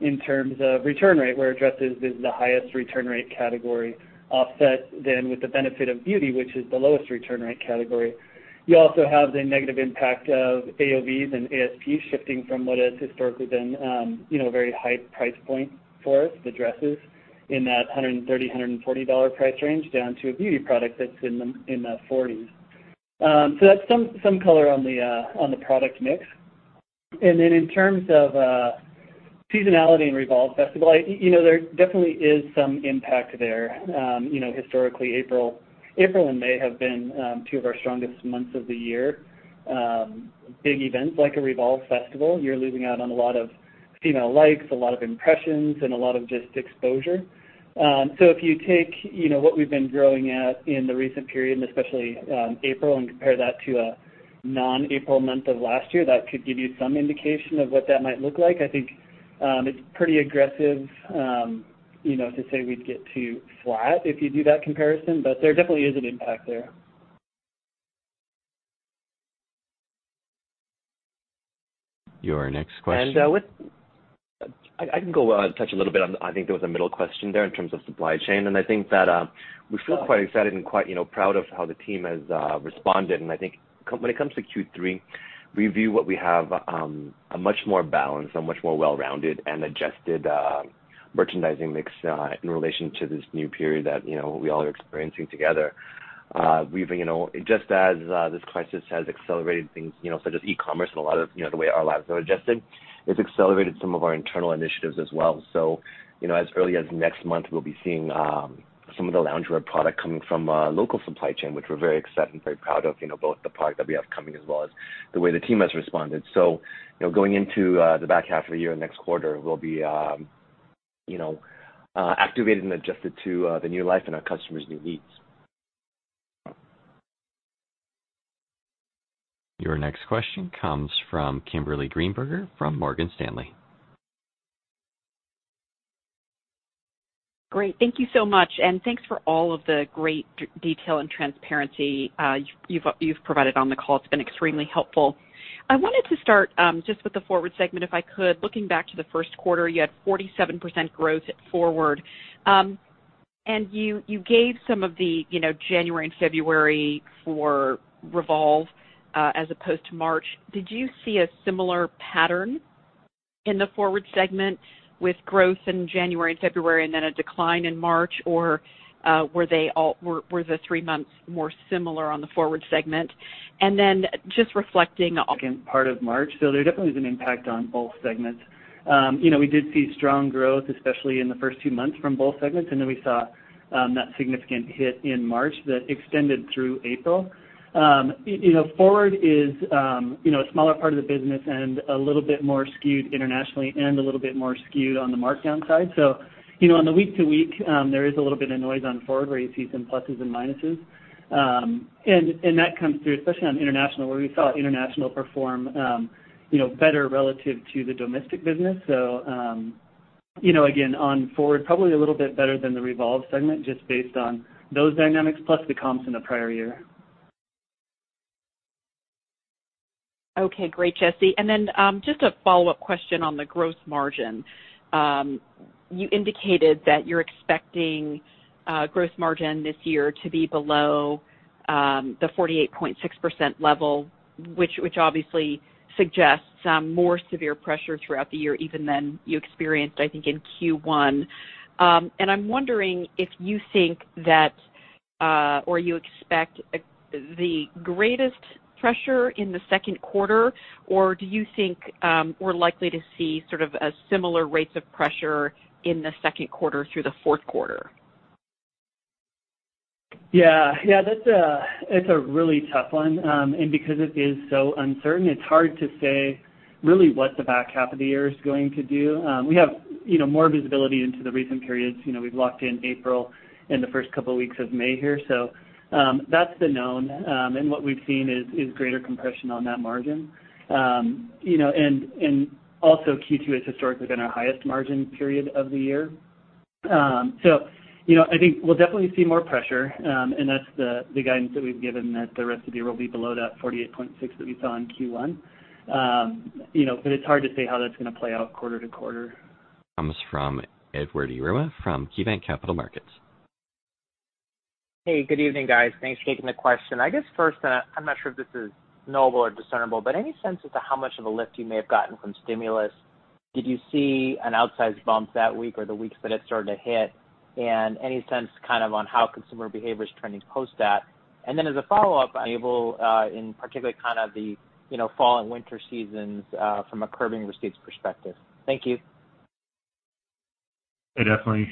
in terms of return rate, where dresses is the highest return rate category offset then with the benefit of beauty, which is the lowest return rate category. You also have the negative impact of AOVs and ASPs shifting from what has historically been a very high price point for us, the dresses, in that $130-$140 price range down to a beauty product that's in the $40s. So that's some color on the product mix, and then in terms of seasonality and REVOLVE Festival, there definitely is some impact there. Historically, April and May have been two of our strongest months of the year. Big events like a REVOLVE Festival, you're losing out on a lot of feed likes, a lot of impressions, and a lot of just exposure. So if you take what we've been growing at in the recent period, and especially April, and compare that to a non-April month of last year, that could give you some indication of what that might look like. I think it's pretty aggressive to say we'd get to flat if you do that comparison, but there definitely is an impact there. Your next question. I can go touch a little bit on I think there was a middle question there in terms of supply chain, and I think that we feel quite excited and quite proud of how the team has responded, and I think when it comes to Q3, we view what we have a much more balanced, a much more well-rounded, and adjusted merchandising mix in relation to this new period that we all are experiencing together. Just as this crisis has accelerated things, such as e-commerce and a lot of the way our lives are adjusted, it's accelerated some of our internal initiatives as well. So as early as next month, we'll be seeing some of the loungewear product coming from local supply chain, which we're very excited and very proud of, both the product that we have coming as well as the way the team has responded. So going into the back half of the year and next quarter, we'll be activated and adjusted to the new life and our customers' new needs. Your next question comes from Kimberly Greenberger from Morgan Stanley. Great. Thank you so much. And thanks for all of the great detail and transparency you've provided on the call. It's been extremely helpful. I wanted to start just with the FWRD segment, if I could. Looking back to the first quarter, you had 47% growth forward. And you gave some of the January and February for REVOLVE as opposed to March. Did you see a similar pattern in the FWRD segment with growth in January and February and then a decline in March? Or were the three months more similar on the FWRD segment? And then just reflecting. Second part of March. So there definitely is an impact on both segments. We did see strong growth, especially in the first two months from both segments. And then we saw that significant hit in March that extended through April. FWRD is a smaller part of the business and a little bit more skewed internationally and a little bit more skewed on the markdown side. So on the week-to-week, there is a little bit of noise on FWRD where you see some pluses and minuses. And that comes through, especially on international, where we saw international perform better relative to the domestic business. So again, on FWRD, probably a little bit better than the REVOLVE segment just based on those dynamics plus the comps in the prior year. Okay. Great, Jesse. And then just a follow-up question on the gross margin. You indicated that you're expecting gross margin this year to be below the 48.6% level, which obviously suggests more severe pressure throughout the year, even than you experienced, I think, in Q1. And I'm wondering if you think that or you expect the greatest pressure in the second quarter, or do you think we're likely to see sort of similar rates of pressure in the second quarter through the fourth quarter? Yeah. Yeah. It's a really tough one. And because it is so uncertain, it's hard to say really what the back half of the year is going to do. We have more visibility into the recent periods. We've locked in April and the first couple of weeks of May here. So that's the known. And what we've seen is greater compression on that margin. And also, Q2 has historically been our highest margin period of the year. So I think we'll definitely see more pressure. And that's the guidance that we've given that the rest of the year will be below that 48.6% that we saw in Q1. But it's hard to say how that's going to play out quarter to quarter. Comes from Edward Yruma from KeyBanc Capital Markets. Hey, good evening, guys. Thanks for taking the question. I guess first, I'm not sure if this is knowable or discernible, but any sense as to how much of a lift you may have gotten from stimulus? Did you see an outsized bump that week or the weeks that it started to hit? And any sense, kind of, on how consumer behavior is trending post that? And then as a follow-up, apparel in particular kind of the fall and winter seasons from a curation perspective? Thank you. Hey, definitely.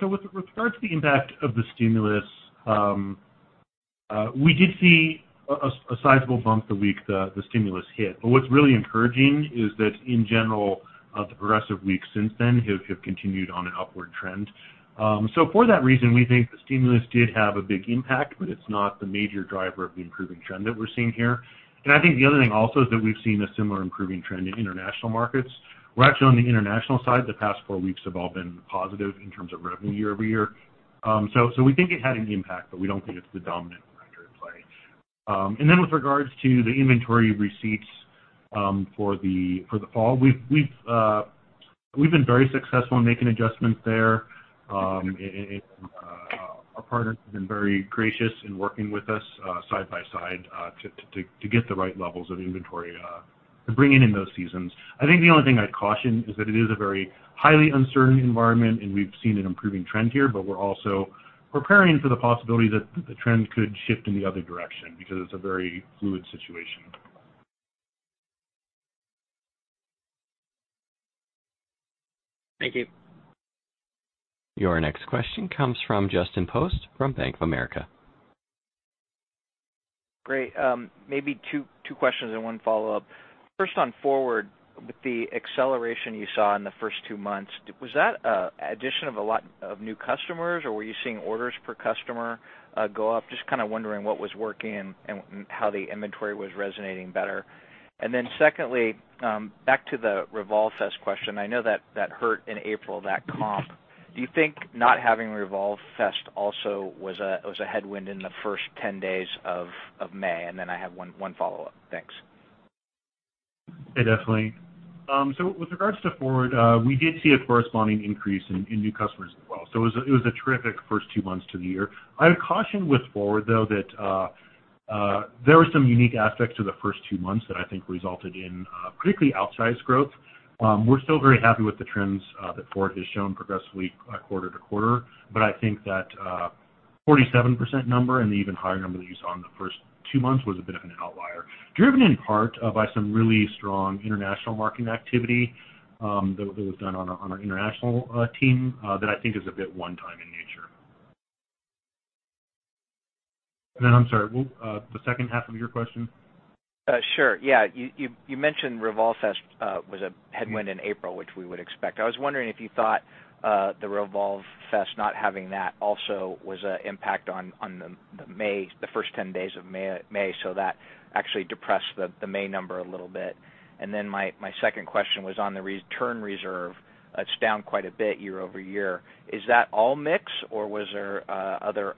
So with regards to the impact of the stimulus, we did see a sizable bump the week the stimulus hit. But what's really encouraging is that, in general, the progressive weeks since then have continued on an upward trend. So for that reason, we think the stimulus did have a big impact, but it's not the major driver of the improving trend that we're seeing here. And I think the other thing also is that we've seen a similar improving trend in international markets. We're actually, on the international side. The past four weeks have all been positive in terms of revenue year over year. We think it had an impact, but we don't think it's the dominant factor in play. And then with regards to the inventory receipts for the fall, we've been very successful in making adjustments there. And our partners have been very gracious in working with us side by side to get the right levels of inventory and bringing in those seasons. I think the only thing I'd caution is that it is a very highly uncertain environment, and we've seen an improving trend here, but we're also preparing for the possibility that the trend could shift in the other direction because it's a very fluid situation. Thank you. Your next question comes from Justin Post from Bank of America. Great. Maybe two questions and one follow-up. First, on FWRD, with the acceleration you saw in the first two months, was that an addition of a lot of new customers, or were you seeing orders per customer go up? Just kind of wondering what was working and how the inventory was resonating better. And then secondly, back to the REVOLVE Fest question. I know that hurt in April, that comp. Do you think not having REVOLVE Fest also was a headwind in the first 10 days of May? And then I have one follow-up. Thanks. Hey, definitely. So with regards to FWRD, we did see a corresponding increase in new customers as well. So it was a terrific first two months to the year. I would caution with FWRD, though, that there were some unique aspects to the first two months that I think resulted in particularly outsized growth. We're still very happy with the trends that FWRD has shown progressively quarter to quarter, but I think that 47% number and the even higher number that you saw in the first two months was a bit of an outlier, driven in part by some really strong international marketing activity that was done on our international team that I think is a bit one-time in nature. And then I'm sorry. The second half of your question? Sure. Yeah. You mentioned REVOLVE Fest was a headwind in April, which we would expect. I was wondering if you thought the REVOLVE Fest not having that also was an impact on the first 10 days of May, so that actually depressed the May number a little bit. And then my second question was on the return reserve. It's down quite a bit year over year. Is that all mixed, or was there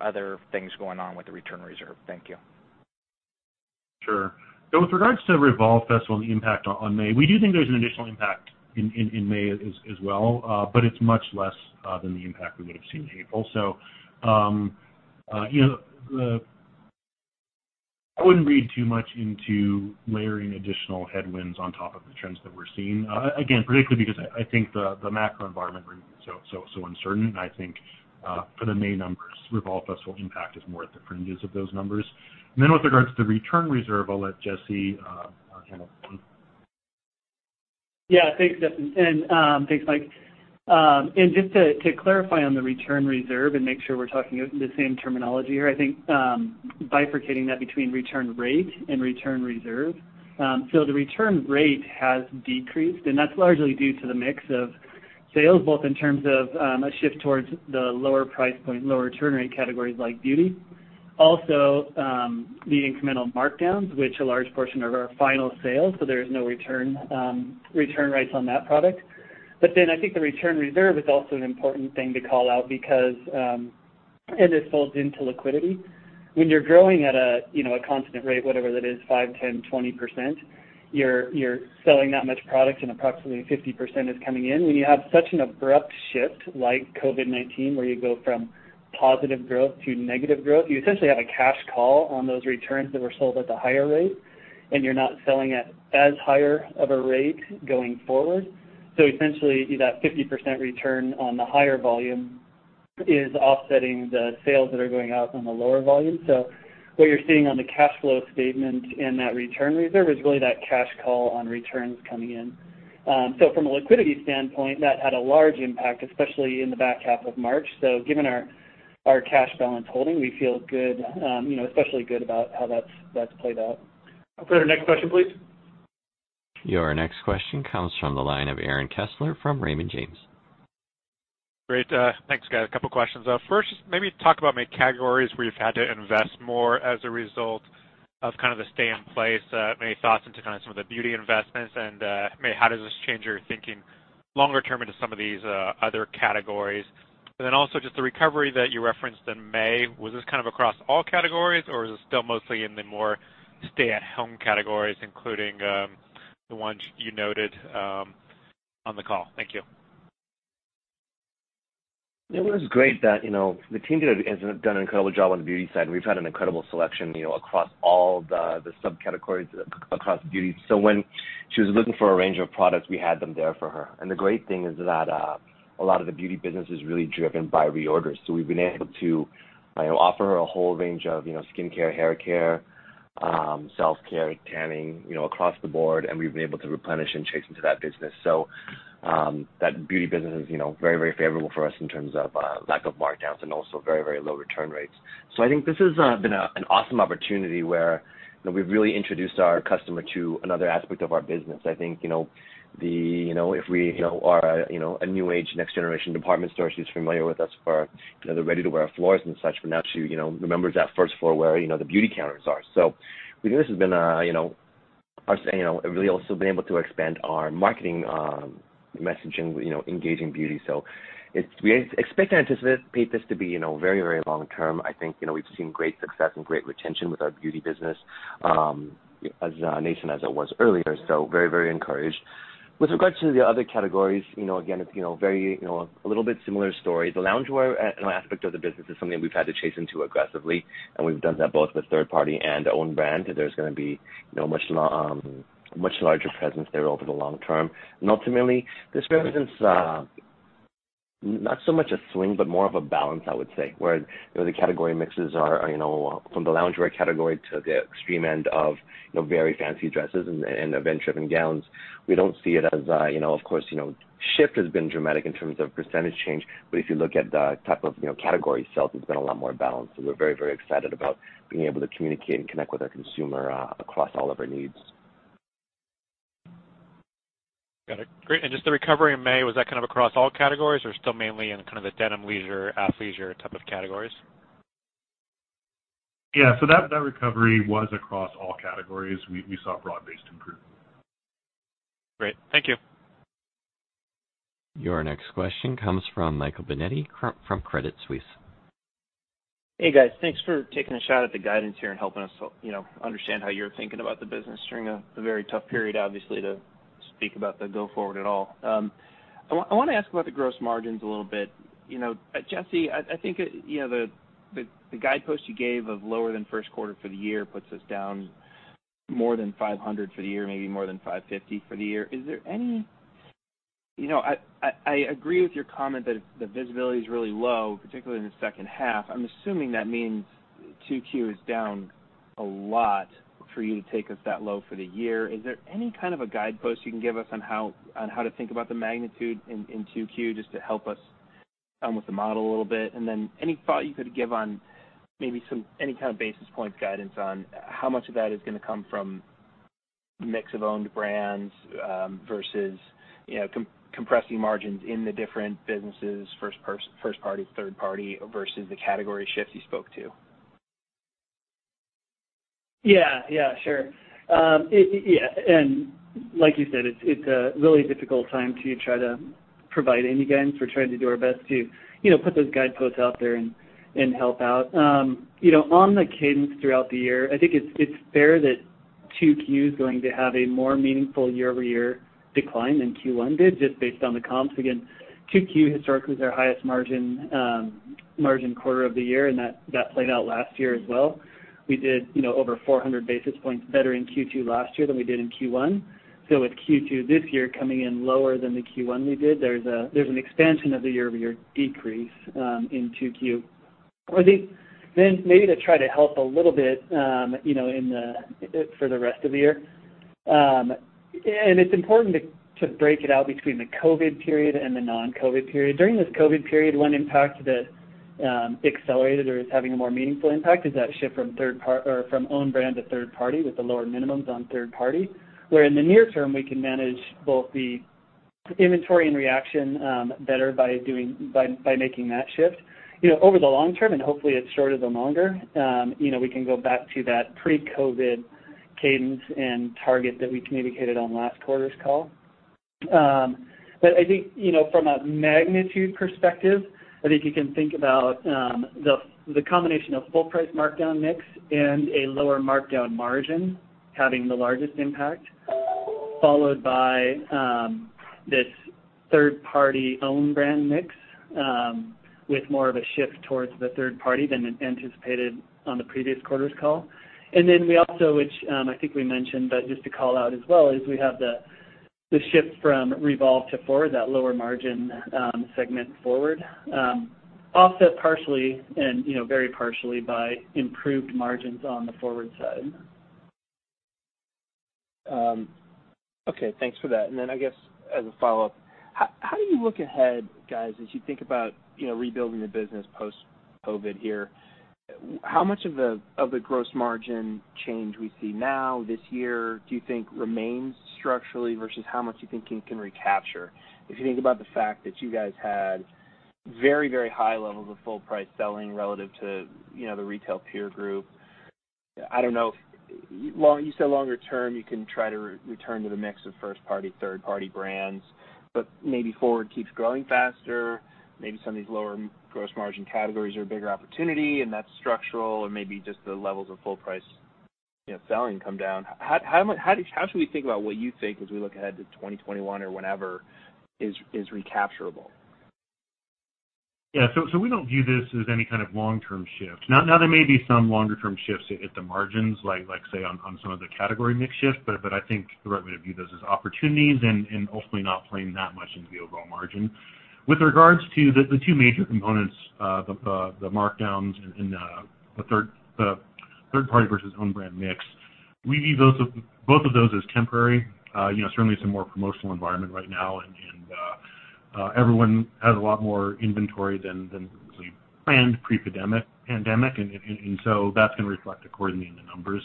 other things going on with the return reserve? Thank you. Sure. So with regards to the REVOLVE Fest on the impact on May, we do think there's an additional impact in May as well, but it's much less than the impact we would have seen in April. So I wouldn't read too much into layering additional headwinds on top of the trends that we're seeing. Again, particularly because I think the macro environment remains so uncertain. I think for the May numbers, REVOLVE Fest will impact us more at the fringes of those numbers. And then with regards to the return reserve, I'll let Jesse handle that one. Yeah. Thanks, Justin. And thanks, Mike. And just to clarify on the return reserve and make sure we're talking the same terminology here, I think bifurcating that between return rate and return reserve. So the return rate has decreased, and that's largely due to the mix of sales, both in terms of a shift towards the lower price point, lower turn rate categories like beauty. Also, the incremental markdowns, which a large portion of our final sales, so there is no return rates on that product. But then I think the return reserve is also an important thing to call out because it folds into liquidity. When you're growing at a constant rate, whatever that is, 5%, 10%, 20%, you're selling that much product, and approximately 50% is coming in. When you have such an abrupt shift like COVID-19, where you go from positive growth to negative growth, you essentially have a cash call on those returns that were sold at the higher rate, and you're not selling at as higher of a rate going forward. So essentially, that 50% return on the higher volume is offsetting the sales that are going out on the lower volume. So what you're seeing on the cash flow statement and that return reserve is really that cash call on returns coming in. So from a liquidity standpoint, that had a large impact, especially in the back half of March. So given our cash balance holding, we feel good, especially good about how that's played out. I'll go to your next question, please. Your next question comes from the line of Aaron Kessler from Raymond James. Great. Thanks, guys. A couple of questions. First, just maybe talk about maybe categories where you've had to invest more as a result of kind of the stay-in-place. Any thoughts into kind of some of the beauty investments? And maybe how does this change your thinking longer term into some of these other categories? And then also just the recovery that you referenced in May, was this kind of across all categories, or is it still mostly in the more stay-at-home categories, including the one you noted on the call? Thank you. It was great that the team did an incredible job on the beauty side. We've had an incredible selection across all the subcategories across beauty. So when she was looking for a range of products, we had them there for her. And the great thing is that a lot of the beauty business is really driven by reorders. So we've been able to offer her a whole range of skincare, haircare, self-care, tanning across the board, and we've been able to replenish and chase into that business. So that beauty business is very, very favorable for us in terms of lack of markdowns and also very, very low return rates. So I think this has been an awesome opportunity where we've really introduced our customer to another aspect of our business. I think that if we are a new age next-generation department store she's familiar with us for the ready-to-wear floors and such, but now she remembers that first floor where the beauty counters are. So we think this has really also been able to expand our marketing messaging, engaging beauty. So we expect to anticipate this to be very, very long term. I think we've seen great success and great retention with our beauty business, as nascent as it was earlier. So very, very encouraged. With regards to the other categories, again, it's a little bit similar story. The loungewear aspect of the business is something we've had to leaned into aggressively, and we've done that both with third-party and own brand. There's going to be a much larger presence there over the long term, and ultimately, this represents not so much a swing, but more of a balance, I would say, where the category mixes are from the loungewear category to the extreme end of very fancy dresses and event-driven gowns. We don't see it as, of course, shift has been dramatic in terms of percentage change, but if you look at the type of category sales, it's been a lot more balanced, so we're very, very excited about being able to communicate and connect with our consumer across all of our needs. Got it. Great, and just the recovery in May, was that kind of across all categories or still mainly in kind of the denim leisure, athleisure type of categories? Yeah, so that recovery was across all categories. We saw broad-based improvement. Great. Thank you. Your next question comes from Michael Binetti from Credit Suisse. Hey, guys. Thanks for taking a shot at the guidance here and helping us understand how you're thinking about the business during a very tough period, obviously, to speak about the go-forward at all. I want to ask about the gross margins a little bit. Jesse, I think the guidepost you gave of lower than first quarter for the year puts us down more than 500 for the year, maybe more than 550 for the year. Is there any I agree with your comment that the visibility is really low, particularly in the second half. I'm assuming that means 2Q is down a lot for you to take us that low for the year. Is there any kind of a guidepost you can give us on how to think about the magnitude in 2Q just to help us with the model a little bit? And then any thought you could give on maybe some any kind of basis points guidance on how much of that is going to come from mix of owned brands versus compressing margins in the different businesses, first-party, third-party versus the category shift you spoke to? Yeah. Yeah. Sure. Yeah. And like you said, it's a really difficult time to try to provide any guidance. We're trying to do our best to put those guideposts out there and help out. On the cadence throughout the year, I think it's fair that 2Q is going to have a more meaningful year-over-year decline than Q1 did just based on the comps. Again, 2Q historically is our highest margin quarter of the year, and that played out last year as well. We did over 400 basis points better in Q2 last year than we did in Q1. So with Q2 this year coming in lower than the Q1 we did, there's an expansion of the year-over-year decrease in 2Q. I think then maybe to try to help a little bit for the rest of the year. And it's important to break it out between the COVID period and the non-COVID period. During this COVID period, one impact that accelerated or is having a more meaningful impact is that shift from owned brand to third-party with the lower minimums on third-party, where in the near term, we can manage both the inventory and reaction better by making that shift. Over the long term, and hopefully as short as the longer, we can go back to that pre-COVID cadence and target that we communicated on last quarter's call. But I think from a magnitude perspective, I think you can think about the combination of full-price markdown mix and a lower markdown margin having the largest impact, followed by this third-party owned brand mix with more of a shift towards the third-party than anticipated on the previous quarter's call. And then we also, which I think we mentioned, but just to call out as well, is we have the shift from REVOLVE to FWRD, that lower margin segment FWRD, offset partially and very partially by improved margins on the FWRD side. Okay. Thanks for that. And then I guess as a follow-up, how do you look ahead, guys, as you think about rebuilding the business post-COVID here? How much of the gross margin change we see now, this year, do you think remains structurally versus how much you think it can recapture? If you think about the fact that you guys had very, very high levels of full-price selling relative to the retail peer group, I don't know. You said longer term, you can try to return to the mix of first-party, third-party brands, but maybe FWRD keeps growing faster. Maybe some of these lower gross margin categories are a bigger opportunity, and that's structural, or maybe just the levels of full-price selling come down. How should we think about what you think as we look ahead to 2021 or whenever is recapturable? Yeah. So we don't view this as any kind of long-term shift. Now, there may be some longer-term shifts at the margins, like say on some of the category mix shift, but I think the right way to view those is opportunities and ultimately not playing that much into the overall margin. With regards to the two major components, the markdowns and the third-party versus owned brand mix, we view both of those as temporary. Certainly, it's a more promotional environment right now, and everyone has a lot more inventory than we planned pre-pandemic. And so that's going to reflect accordingly in the numbers.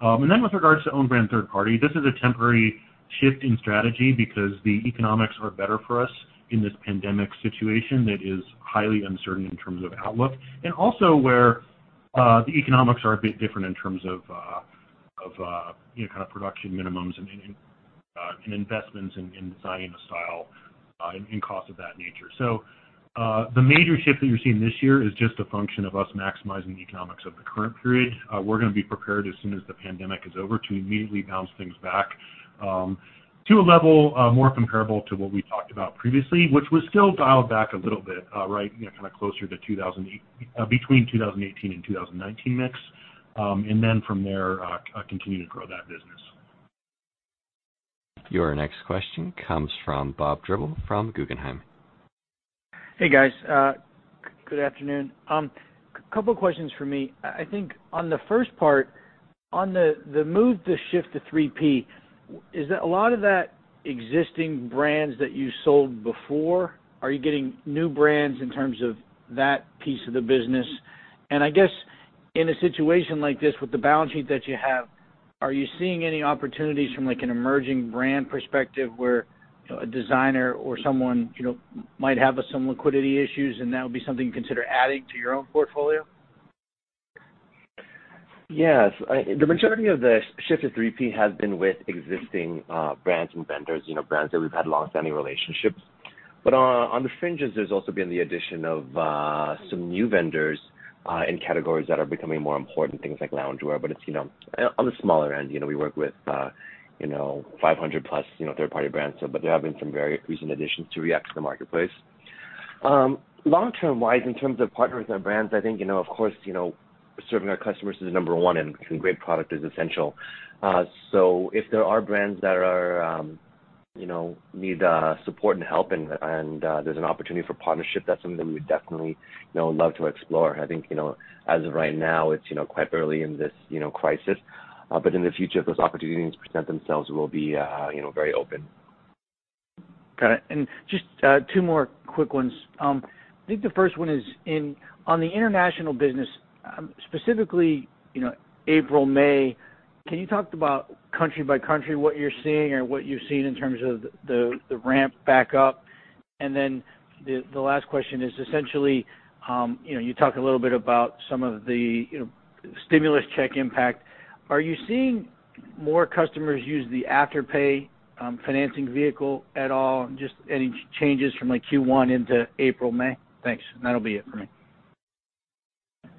And then with regards to owned brand third-party, this is a temporary shift in strategy because the economics are better for us in this pandemic situation that is highly uncertain in terms of outlook. And also where the economics are a bit different in terms of kind of production minimums and investments in design and style and costs of that nature. So the major shift that you're seeing this year is just a function of us maximizing the economics of the current period. We're going to be prepared as soon as the pandemic is over to immediately bounce things back to a level more comparable to what we talked about previously, which was still dialed back a little bit, right, kind of closer to between 2018 and 2019 mix. And then from there, continue to grow that business. Your next question comes from Bob Drbul from Guggenheim. Hey, guys. Good afternoon. A couple of questions for me. I think on the first part, on the move to shift to 3P, is that a lot of that existing brands that you sold before? Are you getting new brands in terms of that piece of the business? And I guess in a situation like this with the balance sheet that you have, are you seeing any opportunities from an emerging brand perspective where a designer or someone might have some liquidity issues, and that would be something you consider adding to your own portfolio? Yes. The majority of the shift to 3P has been with existing brands and vendors, brands that we've had long-standing relationships. But on the fringes, there's also been the addition of some new vendors in categories that are becoming more important, things like loungewear. But it's on the smaller end. We work with 50+ third-party brands, but there have been some very recent additions to react to the marketplace. Long-term-wise, in terms of partnering with our brands, I think, of course, serving our customers is number one, and some great product is essential. So if there are brands that need support and help and there's an opportunity for partnership, that's something that we would definitely love to explore. I think as of right now, it's quite early in this crisis, but in the future, if those opportunities present themselves, we'll be very open. Got it. And just two more quick ones. I think the first one is on the international business, specifically April, May, can you talk about country by country what you're seeing or what you've seen in terms of the ramp back up? And then the last question is essentially you talked a little bit about some of the stimulus check impact. Are you seeing more customers use the Afterpay financing vehicle at all? Just any changes from Q1 into April, May? Thanks. And that'll be it for me.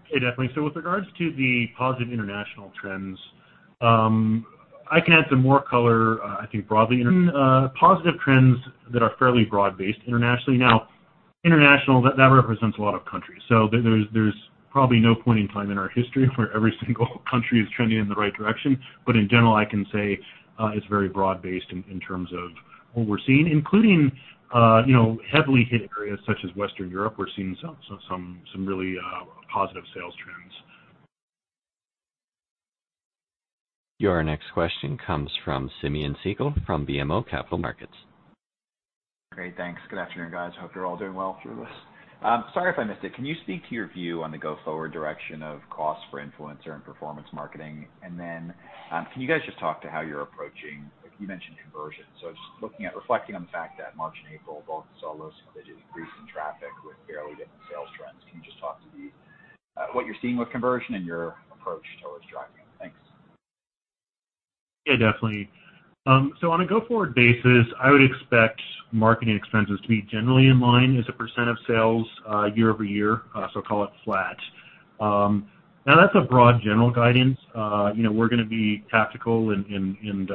Hey, definitely. So with regards to the positive international trends, I can add some more color, I think, broadly. Positive trends that are fairly broad-based internationally. Now, international, that represents a lot of countries. So there's probably no point in time in our history where every single country is trending in the right direction. But in general, I can say it's very broad-based in terms of what we're seeing, including heavily hit areas such as Western Europe. We're seeing some really positive sales trends. Your next question comes from Simeon Siegel from BMO Capital Markets. Great. Thanks. Good afternoon, guys. Hope you're all doing well through this. Sorry if I missed it. Can you speak to your view on the go-forward direction of cost for influencer and performance marketing? And then can you guys just talk to how you're approaching. You mentioned conversion, so just looking at reflecting on the fact that March and April both saw some of the increase in traffic with fairly different sales trends. Can you just talk to what you're seeing with conversion and your approach towards driving it? Thanks. Yeah, definitely, so on a go-forward basis, I would expect marketing expenses to be generally in line as a percent of sales year over year. So call it flat. Now, that's a broad general guidance. We're going to be tactical and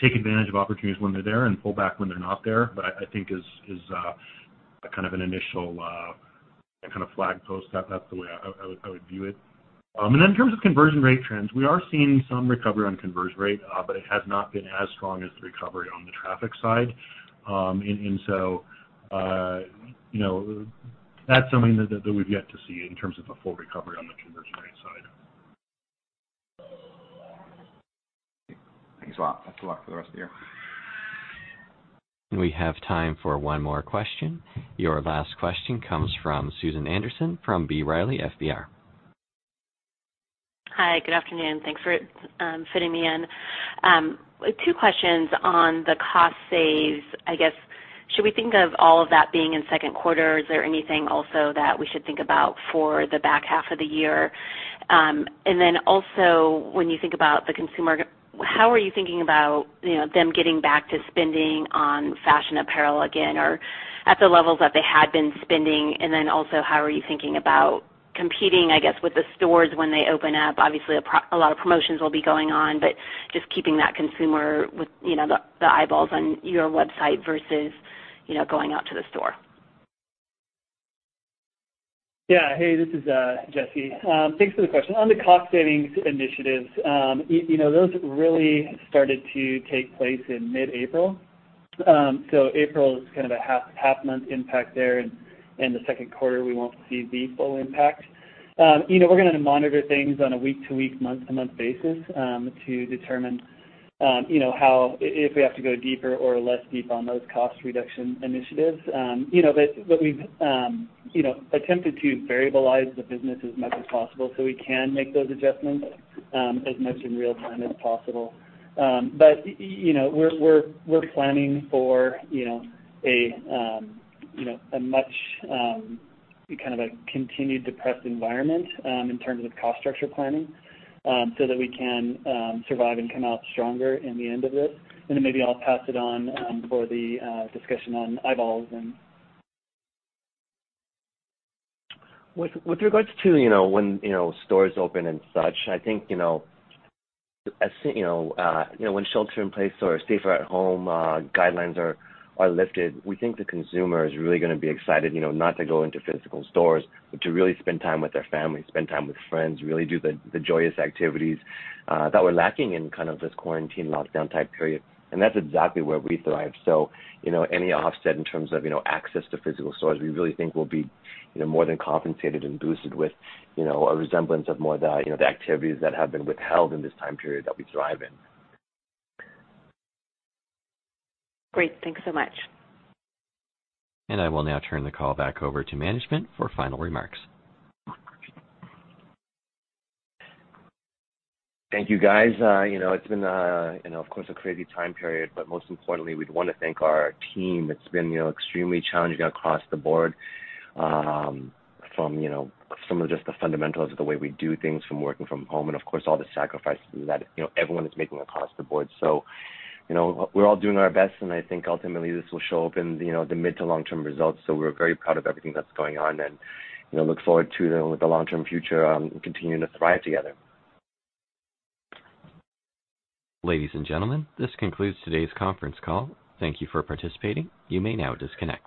take advantage of opportunities when they're there and pull back when they're not there, but I think is kind of an initial kind of flagpost. That's the way I would view it. And then in terms of conversion rate trends, we are seeing some recovery on conversion rate, but it has not been as strong as the recovery on the traffic side. And so that's something that we've yet to see in terms of the full recovery on the conversion rate side. Thanks a lot. Thanks a lot for the rest of your. We have time for one more question. Your last question comes from Susan Anderson from B. Riley FBR. Hi. Good afternoon. Thanks for fitting me in. Two questions on the cost saves. I guess should we think of all of that being in second quarter? Is there anything also that we should think about for the back half of the year? And then also when you think about the consumer, how are you thinking about them getting back to spending on fashion apparel again or at the levels that they had been spending? And then also how are you thinking about competing, I guess, with the stores when they open up? Obviously, a lot of promotions will be going on, but just keeping that consumer with the eyeballs on your website versus going out to the store. Yeah. Hey, this is Jesse. Thanks for the question. On the cost savings initiatives, those really started to take place in mid-April. So April is kind of a half-month impact there, and the second quarter, we won't see the full impact. We're going to monitor things on a week-to-week, month-to-month basis to determine how, if we have to go deeper or less deep on those cost reduction initiatives. But we've attempted to variabilize the business as much as possible so we can make those adjustments as much in real time as possible. But we're planning for a much kind of a continued depressed environment in terms of cost structure planning so that we can survive and come out stronger in the end of this. And then maybe I'll pass it on for the discussion on eyeballs and. With regards to when stores open and such, I think when shelter in place or safer at home guidelines are lifted, we think the consumer is really going to be excited not to go into physical stores, but to really spend time with their family, spend time with friends, really do the joyous activities that were lacking in kind of this quarantine lockdown type period, and that's exactly where we thrive. So any offset in terms of access to physical stores, we really think will be more than compensated and boosted with a resemblance of more of the activities that have been withheld in this time period that we thrive in. Great. Thanks so much. And I will now turn the call back over to management for final remarks. Thank you, guys. It's been, of course, a crazy time period, but most importantly, we'd want to thank our team that's been extremely challenging across the board from some of just the fundamentals of the way we do things, from working from home, and of course, all the sacrifice that everyone is making across the board. So we're all doing our best, and I think ultimately this will show up in the mid to long-term results. So we're very proud of everything that's going on and look forward to the long-term future and continuing to thrive together. Ladies and gentlemen, this concludes today's conference call. Thank you for participating. You may now disconnect.